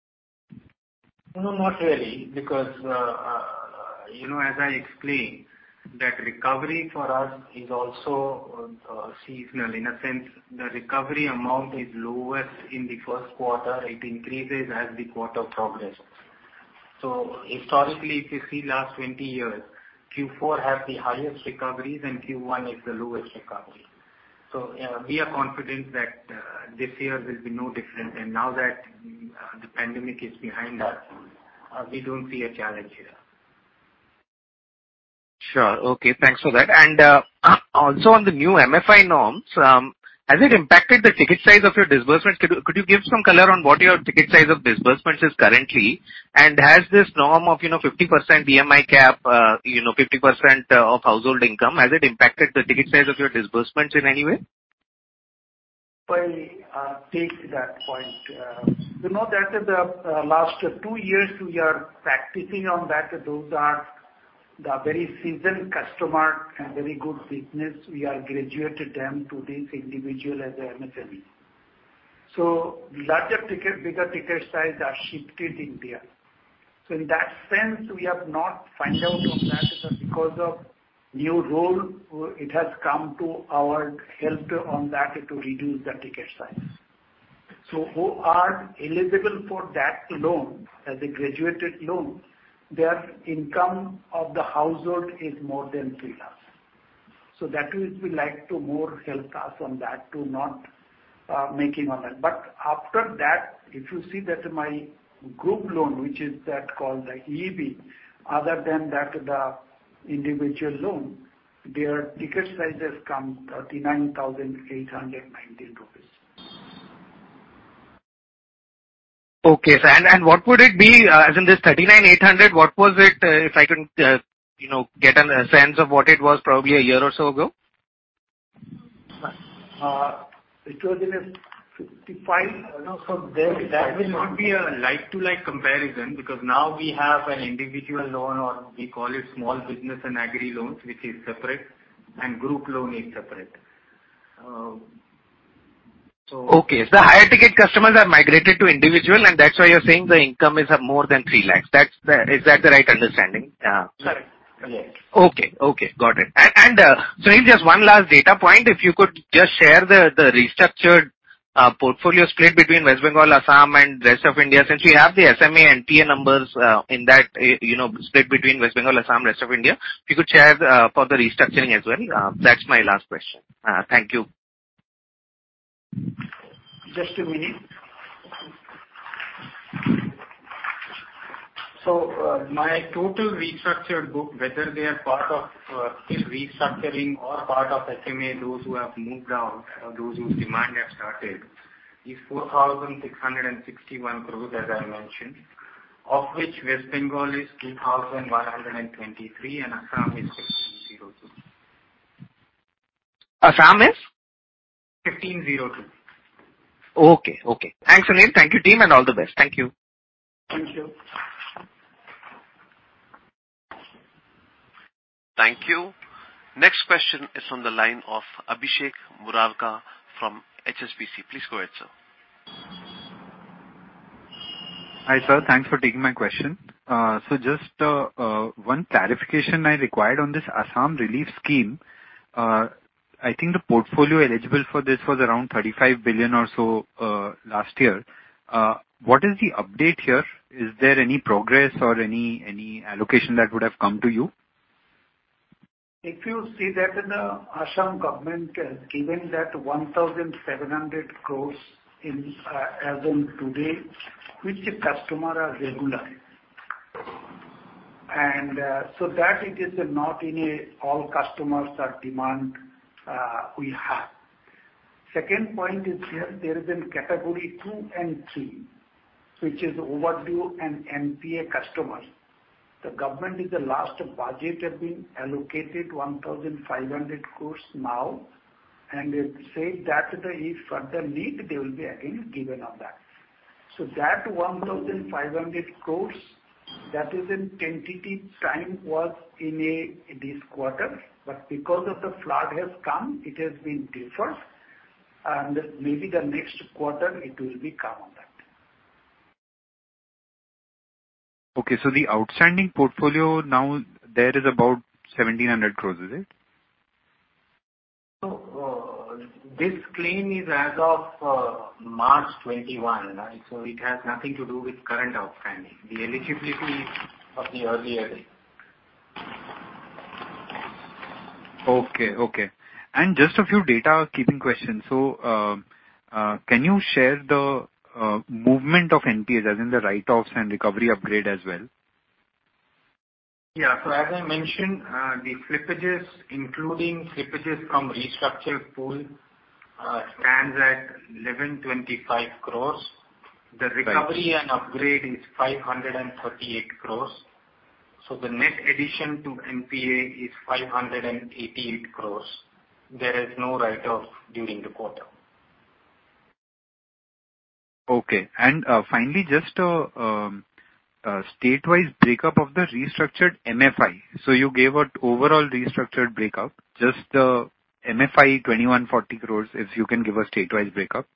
No, not really. Because you know, as I explained, that recovery for us is also seasonal. In a sense, the recovery amount is lowest in the first quarter. It increases as the quarter progresses. Historically, if you see last 20 years, Q4 has the highest recoveries and Q1 is the lowest recovery. We are confident that this year will be no different. Now that the pandemic is behind us, we don't see a challenge here. Sure. Okay, thanks for that. Also on the new MFI norms, has it impacted the ticket size of your disbursements? Could you give some color on what your ticket size of disbursements is currently? Has this norm of, you know, 50% EMI cap, you know, 50% of household income, impacted the ticket size of your disbursements in any way? Well, I'll take that point. You know, that is the last two years we are practicing on that. Those are the very seasoned customer and very good business. We have graduated them to this individual as a MSME. Larger ticket, bigger ticket size are shifted in there. In that sense we have not found out on that because of new rule, it has come to our help on that to reduce the ticket size. Who are eligible for that loan, the graduated loan, their income of the household is more than 3 lakhs. That will be like to more help us on that to not making on that. But after that, if you see that micro group loan, which is called the EEB, other than that the individual loan, their ticket size has come 39,890 rupees. Okay. What would it be, as in this 39,800, what was it, if I can, you know, get a sense of what it was probably a year or so ago? It was in a 55. No. That would not be a like-for-like comparison because now we have an individual loan or we call it small business and agri loans, which is separate and group loan is separate. Higher ticket customers are migrated to individual, and that's why you're saying the income is more than 3 lakhs. Is that the right understanding? Correct. Yes. Okay. Got it. Sunil, just one last data point. If you could just share the restructured portfolio split between West Bengal, Assam and rest of India. Since we have the SMA and NPA numbers in that you know split between West Bengal, Assam, rest of India, if you could share for the restructuring as well. That's my last question. Thank you. Just a minute. My total restructured book, whether they are part of still restructuring or part of SMA, those who have moved out or those whose demand has started, is 4,661 crore, as I mentioned. Of which West Bengal is 2,123 crore and Assam is 1,502 crore. Assam is? 1502. Okay. Thanks, Sunil. Thank you, team, and all the best. Thank you. Thank you. Thank you. Next question is from the line of Abhishek Murarka from HSBC. Please go ahead, sir. Hi, sir. Thanks for taking my question. Just one clarification I required on this Assam relief scheme. I think the portfolio eligible for this was around 35 billion or so last year. What is the update here? Is there any progress or any allocation that would have come to you? If you see that the Assam government has given 1,700 crore as on today, which the customers are regular. That it is not all customers on demand we have. Second point is here, there is category two and three, which is overdue and NPA customers. The government in the last budget has been allocated 1,500 crore now, and it said that if further need, they will be again given on that. That 1,500 crore, that is in tentative time was in this quarter, but because of the flood has come, it has been deferred and maybe the next quarter it will come on that. Okay. The outstanding portfolio now there is about 1,700 crores, is it? This claim is as of March 2021, right? It has nothing to do with current outstanding. The eligibility is of the earlier. Okay. Just a few housekeeping questions. Can you share the movement of NPA, as in the write-offs, recoveries and upgrades as well? Yeah. As I mentioned, the slippages, including slippages from restructured pool, stands at 1,125 crores. Right. The recovery and upgrade is 538 crore. The net addition to NPA is 588 crore. There is no write-off during the quarter. Okay. Finally, just state-wise breakup of the restructured MFI. You gave an overall restructured breakup, just MFI 2,140 crores, if you can give a state-wise breakup.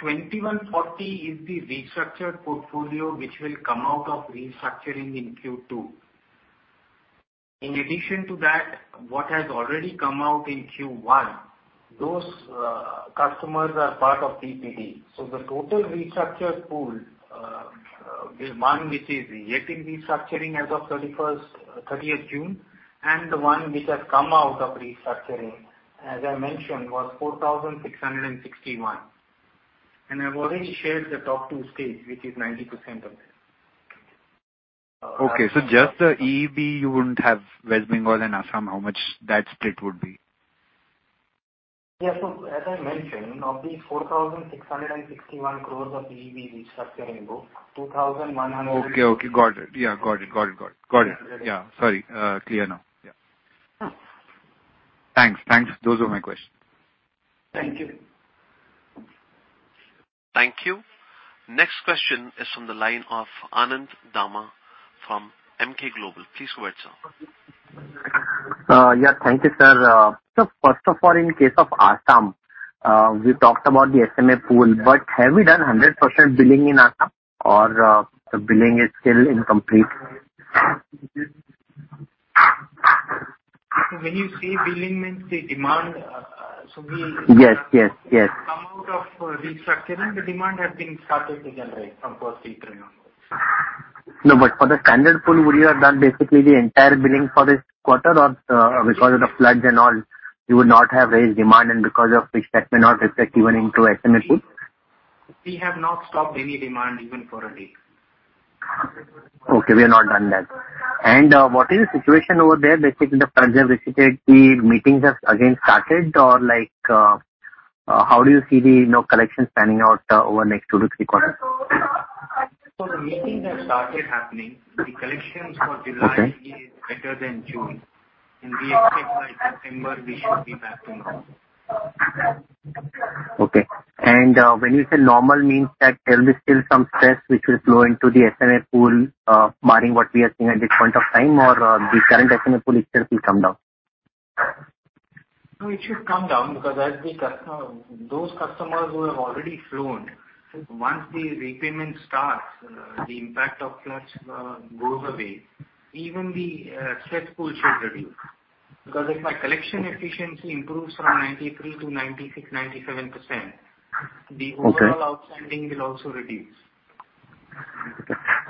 2,140 is the restructured portfolio which will come out of restructuring in Q2. In addition to that, what has already come out in Q1, those customers are part of DPD. The total restructured pool, the one which is yet in restructuring as of 30th June, and the one which has come out of restructuring, as I mentioned, was 4,661. I've already shared the top two states, which is 90% of it. Okay. Just the EEB, you wouldn't have West Bengal and Assam, how much that split would be? Yeah. As I mentioned, of the 4,661 crores of EEB restructuring book, 2,100. Okay. Got it. Yeah, got it. Yeah. Yeah. Sorry. Clear now. Yeah. Hmm. Thanks. Those were my questions. Thank you. Thank you. Next question is from the line of Anand Dama from Emkay Global. Please go ahead, sir. Yeah, thank you, sir. First of all, in case of Assam, we talked about the SMA pool, but have we done 100% billing in Assam, or the billing is still incomplete? when you say billing means the demand, so we. Yes. Yes. Yes. Come out of restructuring, the demand has been started to generate from first April onwards. No, but for the standard pool, would you have done basically the entire billing for this quarter or, because of the floods and all, you would not have raised demand and because of which that may not reflect even into SMA pool? We have not stopped any demand even for a day. Okay. We have not done that. What is the situation over there? Basically, the floods have visited, the meetings have again started or like, how do you see the, you know, collection panning out, over next two to three quarters? The meetings have started happening. The collections for July. Okay. Is better than June. We expect by September we should be back to normal. Okay. When you say normal, means that there will be still some stress which will flow into the SMA pool, barring what we are seeing at this point of time or, the current SMA pool itself will come down? No, it should come down because those customers who have already loan, once the repayment starts, the impact of floods goes away, even the stress pool should reduce. Because if my collection efficiency improves from 93% to 96%, 97%. Okay. The overall outstanding will also reduce.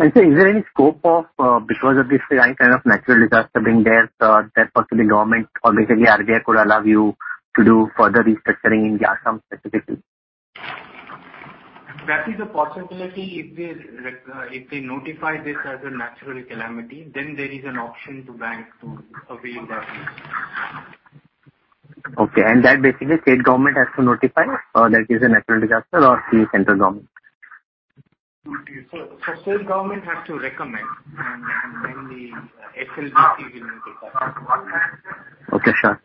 Okay. Sir, is there any scope of, because of this kind of natural disaster being there, so there possibly government or basically RBI could allow you to do further restructuring in the Assam specifically? That is a possibility if they notify this as a natural calamity, then there is an option for the bank to avail that facility. Okay. That basically state government has to notify or that is a natural disaster of the central government? State government has to recommend and then the SLBC will take up. Okay. Sure.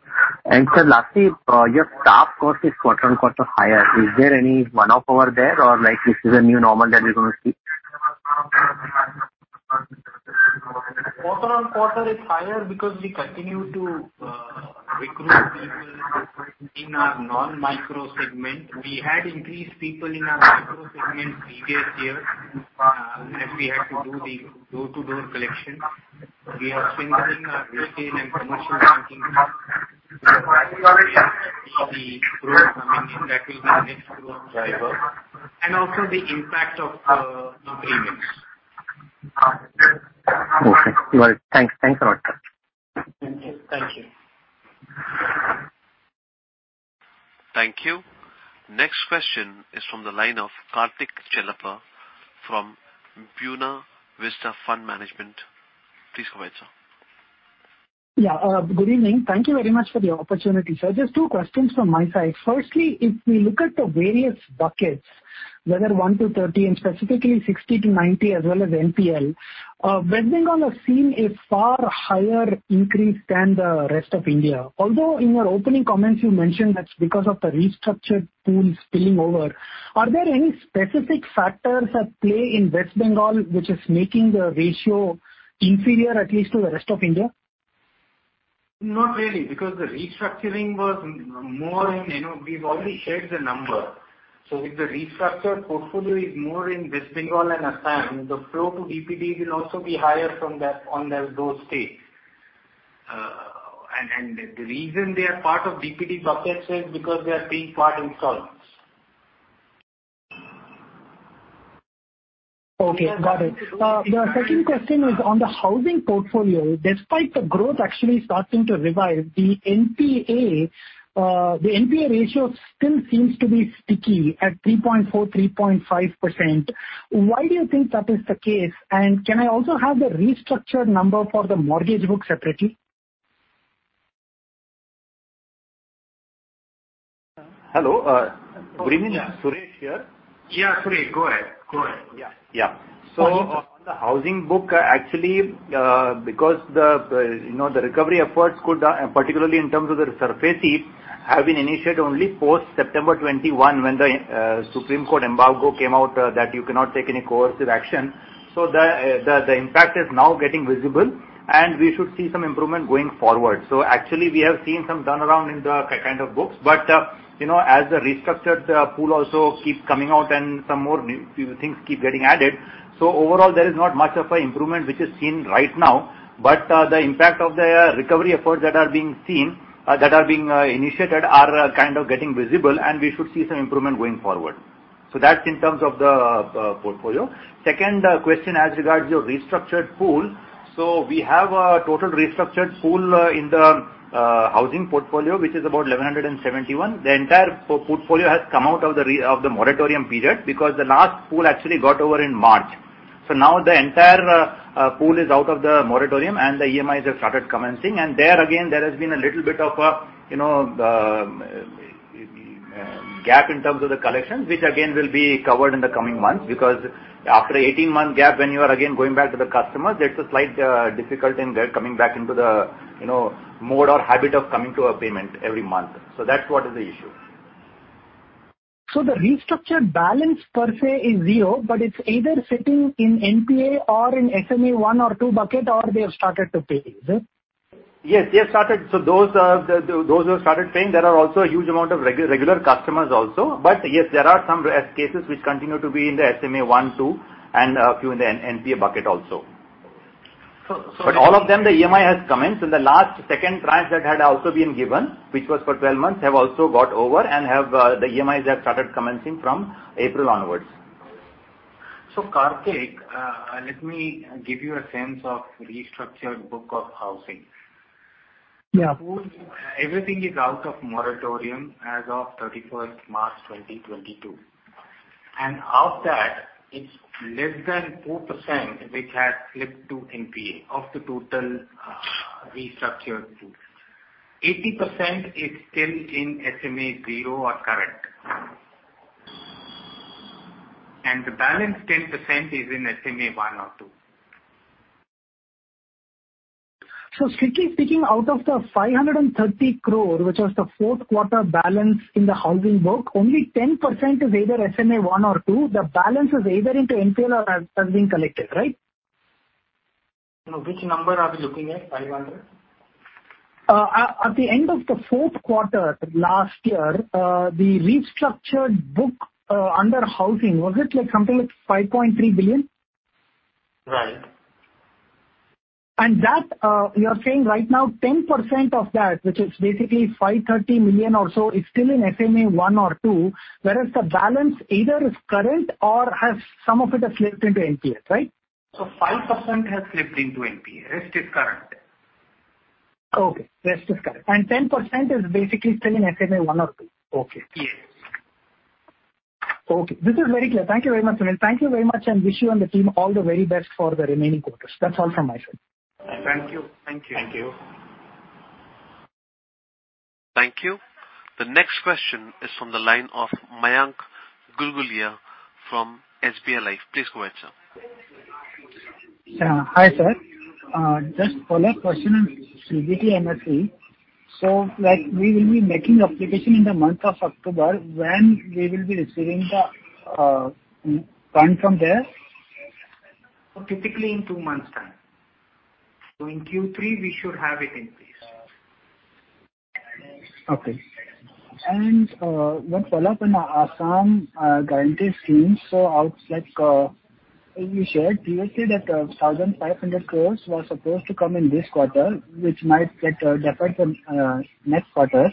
Sir, lastly, your staff cost is quarter-on-quarter higher. Is there any one-off over there or like this is a new normal that we're gonna see? Quarter-on-quarter is higher because we continue to recruit people in our non-micro segment. We had increased people in our micro segment previous year, as we had to do the door-to-door collection. We are strengthening our retail and commercial banking. Okay. The growth coming in, that will be the next growth driver. Also the impact of remits. Okay. Well, thanks. Thanks a lot, sir. Thank you. Thank you. Thank you. Next question is from the line of Karthik Chellappa from Buena Vista Fund Management. Please go ahead, sir. Yeah. Good evening. Thank you very much for the opportunity, sir. Just two questions from my side. Firstly, if we look at the various buckets, whether 1-30 and specifically 60-90 as well as NPL, West Bengal has seen a far higher increase than the rest of India. Although in your opening comments you mentioned that's because of the restructured pools spilling over. Are there any specific factors at play in West Bengal which is making the ratio inferior, at least to the rest of India? Not really, because the restructuring was more in, you know, we've already shared the number. If the restructured portfolio is more in West Bengal and Assam, the flow to DPD will also be higher from those states. The reason they are part in solvents. Okay, got it. We have started to do. The second question is on the housing portfolio, despite the growth actually starting to revive the NPA, the NPA ratio still seems to be sticky at 3.4%-3.5%. Why do you think that is the case? Can I also have the restructured number for the mortgage book separately? Hello, good evening. Yeah. Sunil here. Yeah, Sunil, go ahead. Go ahead. Yeah. Yeah. One sec. On the housing book, actually, because you know, the recovery efforts could, particularly in terms of the resurfacing, have been initiated only post September 21 when the Supreme Court embargo came out, that you cannot take any coercive action. The impact is now getting visible, and we should see some improvement going forward. Actually, we have seen some turnaround in the kind of books. You know, as the restructured pool also keeps coming out and some more new things keep getting added, overall there is not much of a improvement which is seen right now. The impact of the recovery efforts that are being initiated are kind of getting visible, and we should see some improvement going forward. That's in terms of the portfolio. Second question as regards your restructured pool. We have a total restructured pool in the housing portfolio, which is about 1,171. The entire portfolio has come out of the moratorium period because the last pool actually got over in March. Now the entire pool is out of the moratorium and the EMIs have started commencing, and there again, there has been a little bit of a, you know, gap in terms of the collections, which again, will be covered in the coming months, because after 18-month gap, when you are again going back to the customers, there's a slight difficulty in them coming back into the, you know, mode or habit of coming to a payment every month. That's what is the issue. The restructured balance per se is zero, but it's either sitting in NPA or in SMA 1 or 2 bucket or they have started to pay, is it? Yes, they have started. Those are those who have started paying. There are also a huge amount of regular customers also. Yes, there are some cases which continue to be in the SMA 1, 2, and a few in the NPA bucket also. So, so. All of them, the EMI has commenced. The last second tranche that had also been given, which was for 12 months, have also got over and the EMIs have started commencing from April onwards. Okay. Karthik, let me give you a sense of restructured book of housing. Yeah. Everything is out of moratorium as of 31st March 2022. Of that it's less than 4% which has flipped to NPA of the total restructured pools. 80% is still in SMA 0 or current. The balance 10% is in SMA 1 or 2. Strictly speaking, out of the 530 crore, which was the fourth quarter balance in the housing book, only 10% is either SMA 1 or 2. The balance is either in NPA or has been collected, right? Which number are we looking at, 500? At the end of the fourth quarter last year, the restructured book under housing was it something like 5.3 billion? Right. That you are saying right now, 10% of that, which is basically 530 million or so, is still in SMA 1 or 2, whereas the balance either is current or has some of it flipped into NPA, right? 5% has flipped into NPA, rest is current. Okay, rest is current. 10% is basically still in SMA 1 or 2. Okay. Yes. Okay, this is very clear. Thank you very much, Sunil. Thank you very much and wish you and the team all the very best for the remaining quarters. That's all from my side. Thank you. Thank you. Thank you. Thank you. The next question is from the line of Mayank Gulgulia from SBI Life. Please go ahead, sir. Yeah. Hi, sir. Just a follow-up question on CBT MFI. Like we will be making application in the month of October when we will be receiving the M-fund from there. Typically in two months time. In Q3 we should have it in place. Okay. One follow-up on Assam guarantee scheme. Like, you shared previously that 1,500 crore was supposed to come in this quarter, which might get deferred to next quarter.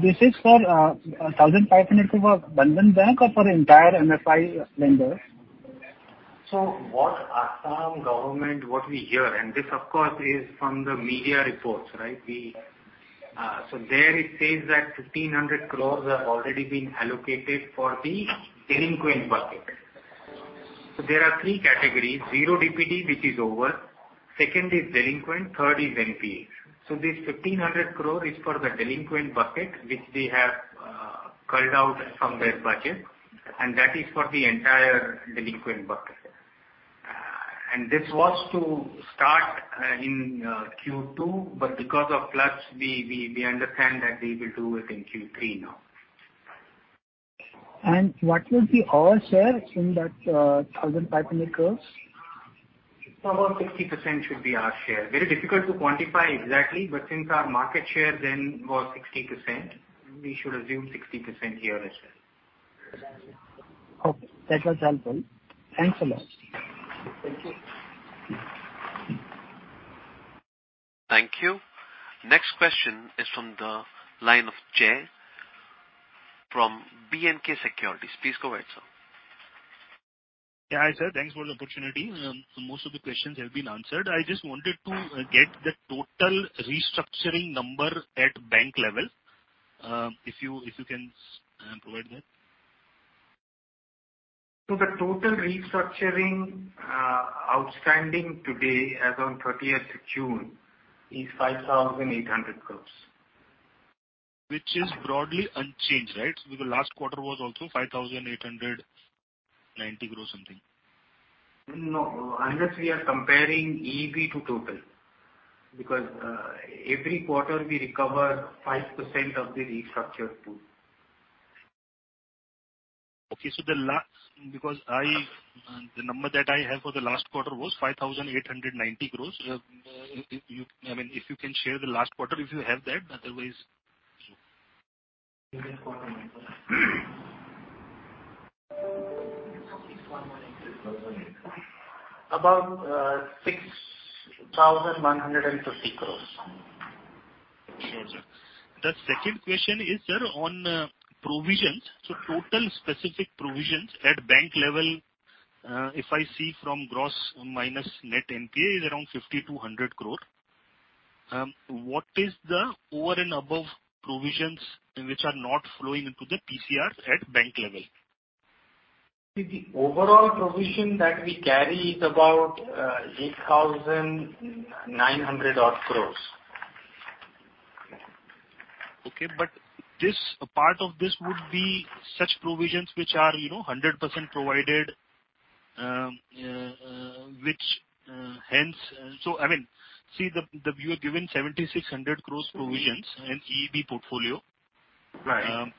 This is for 1,500 crore for Bandhan Bank or for entire MFI lenders? What the Assam government, what we hear, and this of course is from the media reports, right? There it says that 1,500 crores have already been allocated for the delinquent bucket. There are three categories, zero DPD, which is over. Second is delinquent, third is NPA. This 1,500 crore is for the delinquent bucket, which they have carved out from that budget, and that is for the entire delinquent bucket. And this was to start in Q2, but because of floods, we understand that they will do it in Q3 now. What will be our share in that, 1,500 crore? About 60% should be our share. Very difficult to quantify exactly, but since our market share then was 60%, we should assume 60% here as well. Okay. That was helpful. Thanks a lot. Thank you. Thank you. Next question is from the line of Jay from B&K Securities. Please go ahead, sir. Yeah. Hi, sir. Thanks for the opportunity. Most of the questions have been answered. I just wanted to get the total restructuring number at bank level, if you can provide that. The total restructuring outstanding today as on 30th June is 5,800 crores. Which is broadly unchanged, right? Because last quarter was also 5,890 crores something. No. Unless we are comparing EEB to total because every quarter we recover 5% of the restructured pool. Because the number that I have for the last quarter was 5,890 crores. I mean, if you can share the last quarter, if you have that. Otherwise About INR 6,150 crores. Sure, sir. The second question is, sir, on provisions. Total specific provisions at bank level, if I see from gross minus net NPA is around 5,200 crore. What is the over and above provisions which are not flowing into the PCR at bank level? The overall provision that we carry is about 8,900-odd crores. This, a part of this would be such provisions which are, you know, 100% provided, hence. I mean, see the You have given 7,600 crores provisions in EEB portfolio. Right.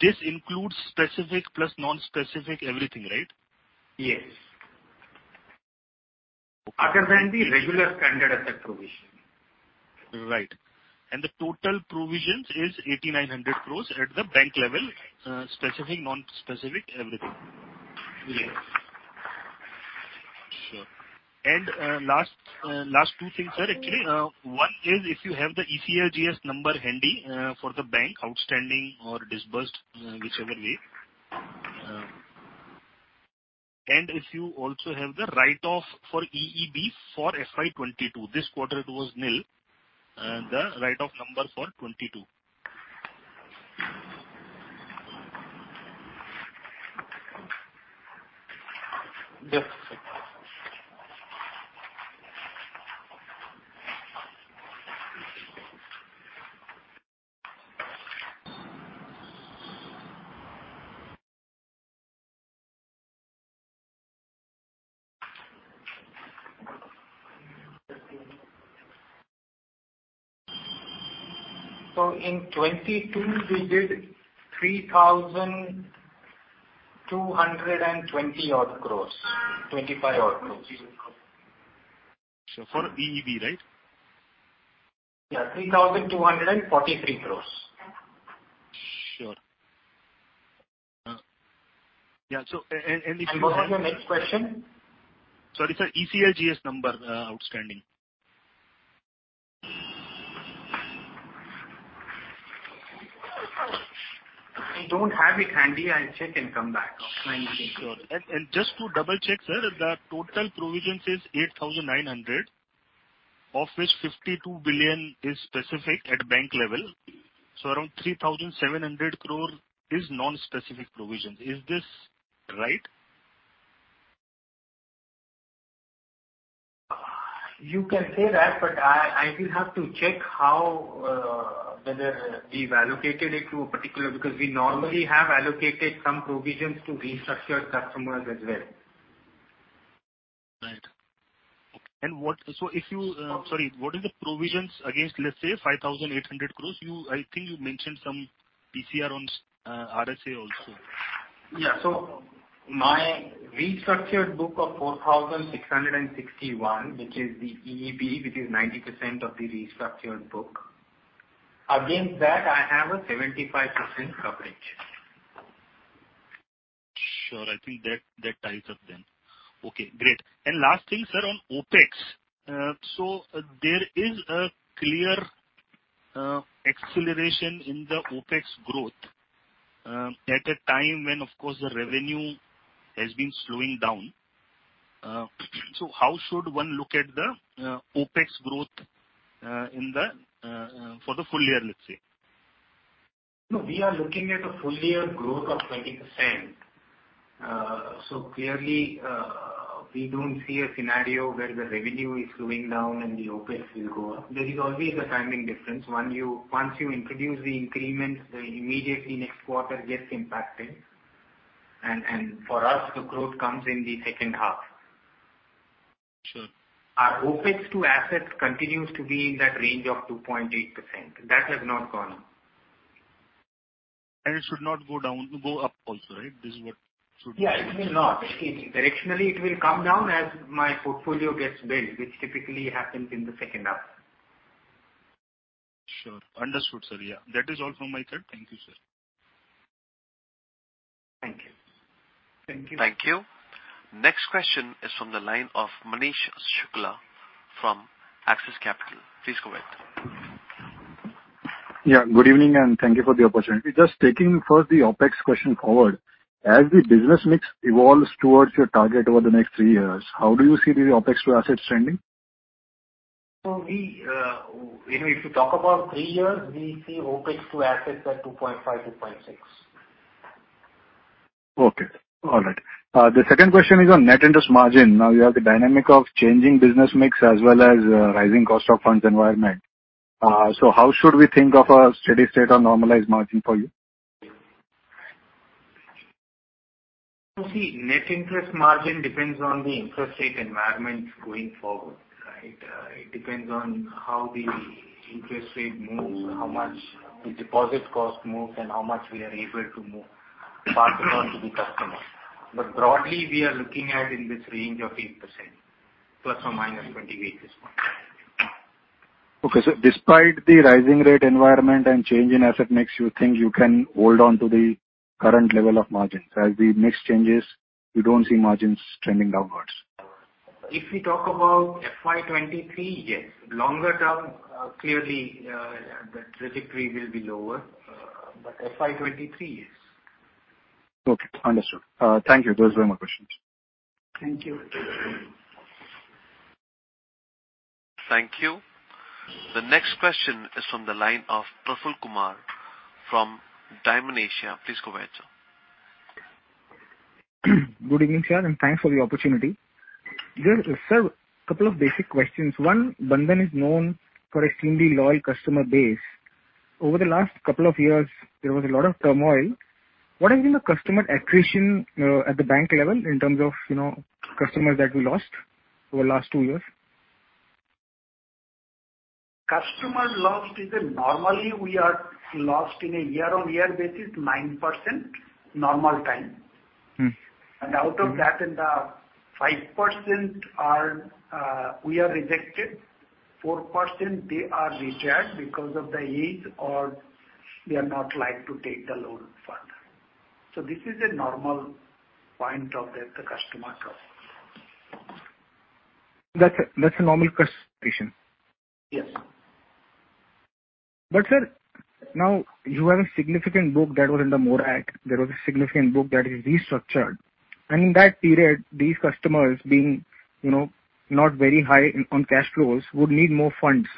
This includes specific plus non-specific everything, right? Yes. Other than the regular standard asset provision. Right. The total provisions is 8,900 crore at the bank level, specific, non-specific, everything. Yes. Sure. Last two things, sir, actually. One is if you have the ECLGS number handy, for the bank outstanding or disbursed, whichever way. If you also have the write-off for EEB for FY 2022. This quarter it was nil, the write-off number for 2022. In 2022 we did 3,220-odd crores, 25-odd crores. For EEB, right? Yeah. 3,243 crores. Sure. Yeah. What was your next question? Sorry, sir. ECLGS number outstanding. I don't have it handy. I'll check and come back. Sure. Just to double-check, sir, the total provisions is 8,900 crore of which 52 billion is specific at bank level, so around 3,700 crore is non-specific provisions. Is this right? You can say that, but I will have to check how, whether we've allocated it to a particular. Because we normally have allocated some provisions to restructured customers as well. Right. What is the provisions against, let's say, 5,800 crores? I think you mentioned some PCR on RSA also. My restructured book of 4,661, which is the EEB, which is 90% of the restructured book, against that I have a 75% coverage. Sure. I think that ties up then. Okay, great. Last thing, sir, on OPEX. There is a clear acceleration in the OPEX growth at a time when, of course, the revenue has been slowing down. How should one look at the OPEX growth for the full year, let's say? No. We are looking at a full year growth of 20%. So clearly, we don't see a scenario where the revenue is slowing down and the OpEx will go up. There is always a timing difference. Once you introduce the increments, the immediately next quarter gets impacted. For us, the growth comes in the second half. Sure. Our OPEX to assets continues to be in that range of 2.8%. That has not gone. It should not go down, go up also, right? This is what should. Yeah, it will not. Directionally, it will come down as my portfolio gets big, which typically happens in the second half. Sure. Understood, sir. Yeah. That is all from my side. Thank you, sir. Thank you. Thank you. Thank you. Next question is from the line of Manish Shukla from Axis Capital. Please go ahead. Yeah, good evening, and thank you for the opportunity. Just taking first the OPEX question forward. As the business mix evolves towards your target over the next three years, how do you see the OPEX to assets trending? We, you know, if you talk about three years, we see OPEX to assets at 2.5%-2.6%. Okay. All right. The second question is on net interest margin. Now, you have the dynamic of changing business mix as well as rising cost of funds environment. How should we think of a steady state or normalized margin for you? You see, net interest margin depends on the interest rate environment going forward, right? It depends on how the interest rate moves, how much the deposit cost moves, and how much we are able to move to the customer. Broadly, we are looking at in this range of 8% ±20 basis points. Okay. Despite the rising rate environment and change in asset mix, you think you can hold on to the current level of margins. As the mix changes, you don't see margins trending downwards. If we talk about FY 2023, yes. Longer term, clearly, the trajectory will be lower, but FY 2023, yes. Okay, understood. Thank you. Those were my questions. Thank you. Thank you. The next question is from the line of Praful Kumar from Dymon Asia. Please go ahead, sir. Good evening, sir, and thanks for the opportunity. Just, sir, a couple of basic questions. One, Bandhan is known for extremely loyal customer base. Over the last couple of years, there was a lot of turmoil. What has been the customer attrition at the bank level in terms of, you know, customers that we lost over the last two years? Customer loss is that normally we are losing on a year-on-year basis 9% in normal times. Mm-hmm. Out of that, in the 5% we are rejected. 4% they are retired because of the age or they are not likely to take the loan further. This is a normal point of the customer profile. That's a normal customer attrition? Yes. Sir, now you have a significant book that was in the moratorium. There was a significant book that is restructured. In that period, these customers being, you know, not very high on cash flows would need more funds.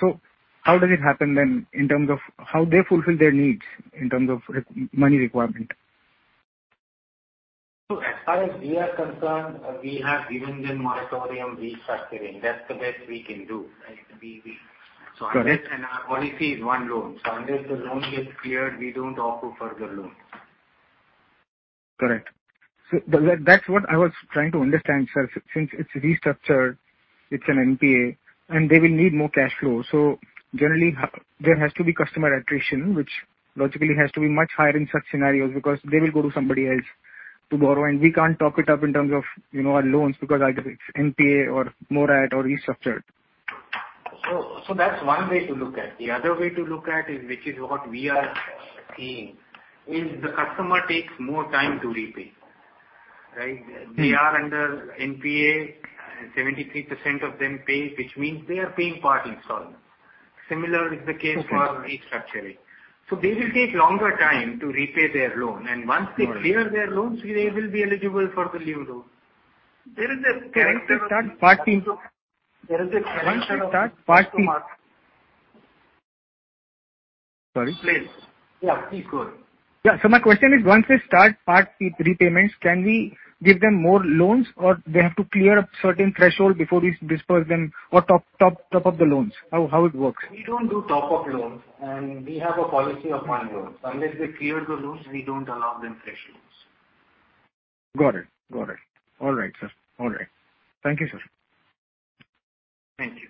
How does it happen then in terms of how they fulfill their needs in terms of money requirement? As far as we are concerned, we have given them moratorium restructuring. That's the best we can do. Right? Got it. Our policy is one loan, so unless the loan gets cleared, we don't offer further loans. Correct. That, that's what I was trying to understand, sir. Since it's restructured, it's an NPA, and they will need more cash flow. Generally, there has to be customer attrition, which logically has to be much higher in such scenarios because they will go to somebody else to borrow, and we can't talk it up in terms of, you know, our loans because either it's NPA or moratorium or restructured. That's one way to look at it. The other way to look at it is, which is what we are seeing, the customer takes more time to repay. Right? Mm-hmm. They are under NPA. 73% of them pay, which means they are paying part installments. Similar is the case. Okay. For restructuring. They will take longer time to repay their loan. Got it. Once they clear their loans, they will be eligible for the new loan. Correct. They start part p. There is a connection. Sorry. Please. Yeah, please go ahead. My question is, once they start partial prepayments, can we give them more loans or they have to clear up certain threshold before we disburse them or top up the loans? How it works? We don't do top up loans, and we have a policy of one loan. Unless they clear the loans, we don't allow them fresh loans. Got it. All right, sir. Thank you, sir. Thank you.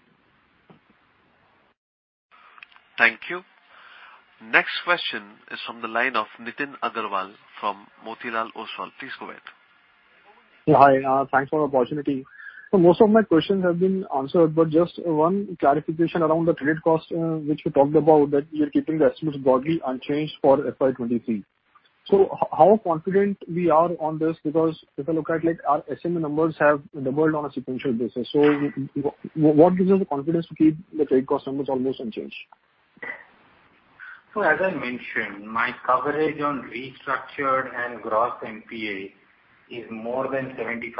Thank you. Next question is from the line of Nitin Aggarwal from Motilal Oswal. Please go ahead. Hi, thanks for the opportunity. Most of my questions have been answered, but just one clarification around the credit cost, which you talked about, that you're keeping the estimates broadly unchanged for FY 2023. How confident are we on this because if I look at, like, our SMA numbers have doubled on a sequential basis. What gives us the confidence to keep the credit cost numbers almost unchanged? As I mentioned, my coverage on restructured and gross NPA is more than 75%.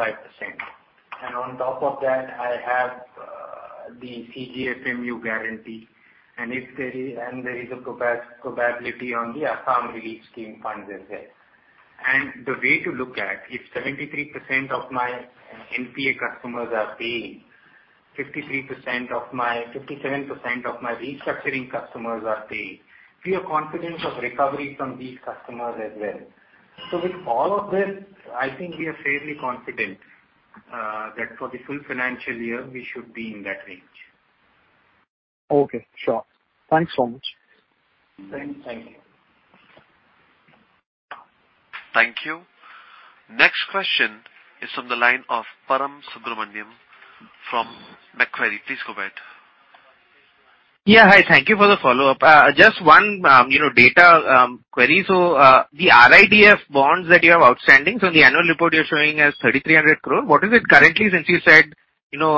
On top of that, I have the CGFMU guarantee, and there is a probability on the Assam relief scheme funds as well. The way to look at, if 73% of my NPA customers are paying, 57% of my restructuring customers are paying, we have confidence of recovery from these customers as well. With all of this, I think we are fairly confident that for the full financial year, we should be in that range. Okay, sure. Thanks so much. Thank you. Thank you. Next question is from the line of Param Subramanian from Macquarie. Please go ahead. Yeah. Hi. Thank you for the follow-up. Just one, you know, data query. The RIDF bonds that you have outstanding, in the annual report you're showing as 3,300 crore. What is it currently since you said, you know,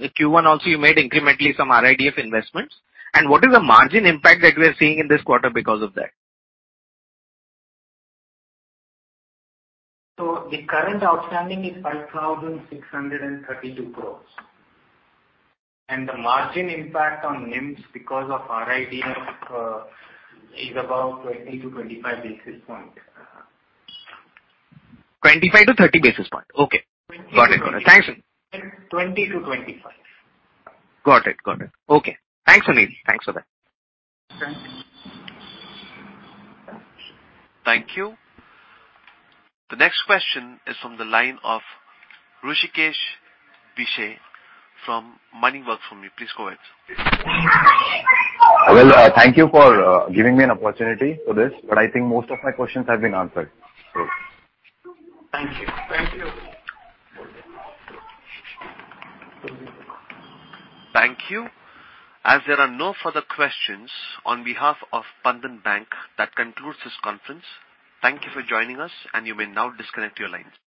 in Q1 also you made incrementally some RIDF investments? And what is the margin impact that we are seeing in this quarter because of that? The current outstanding is 5,632 crores. The margin impact on NIMs because of RIDF is about 20-25 basis points. 25-30 basis points. Okay. 20-25. Got it. Thanks. 20-25. Got it. Okay. Thanks, Sunil. Thanks for that. Thank you. Thank you. The next question is from the line of Hrishikesh Bishe from Money Works for me. Please go ahead, sir. Well, thank you for giving me an opportunity for this, but I think most of my questions have been answered. Thank you. Thank you. Thank you. As there are no further questions, on behalf of Bandhan Bank, that concludes this conference. Thank you for joining us, and you may now disconnect your lines.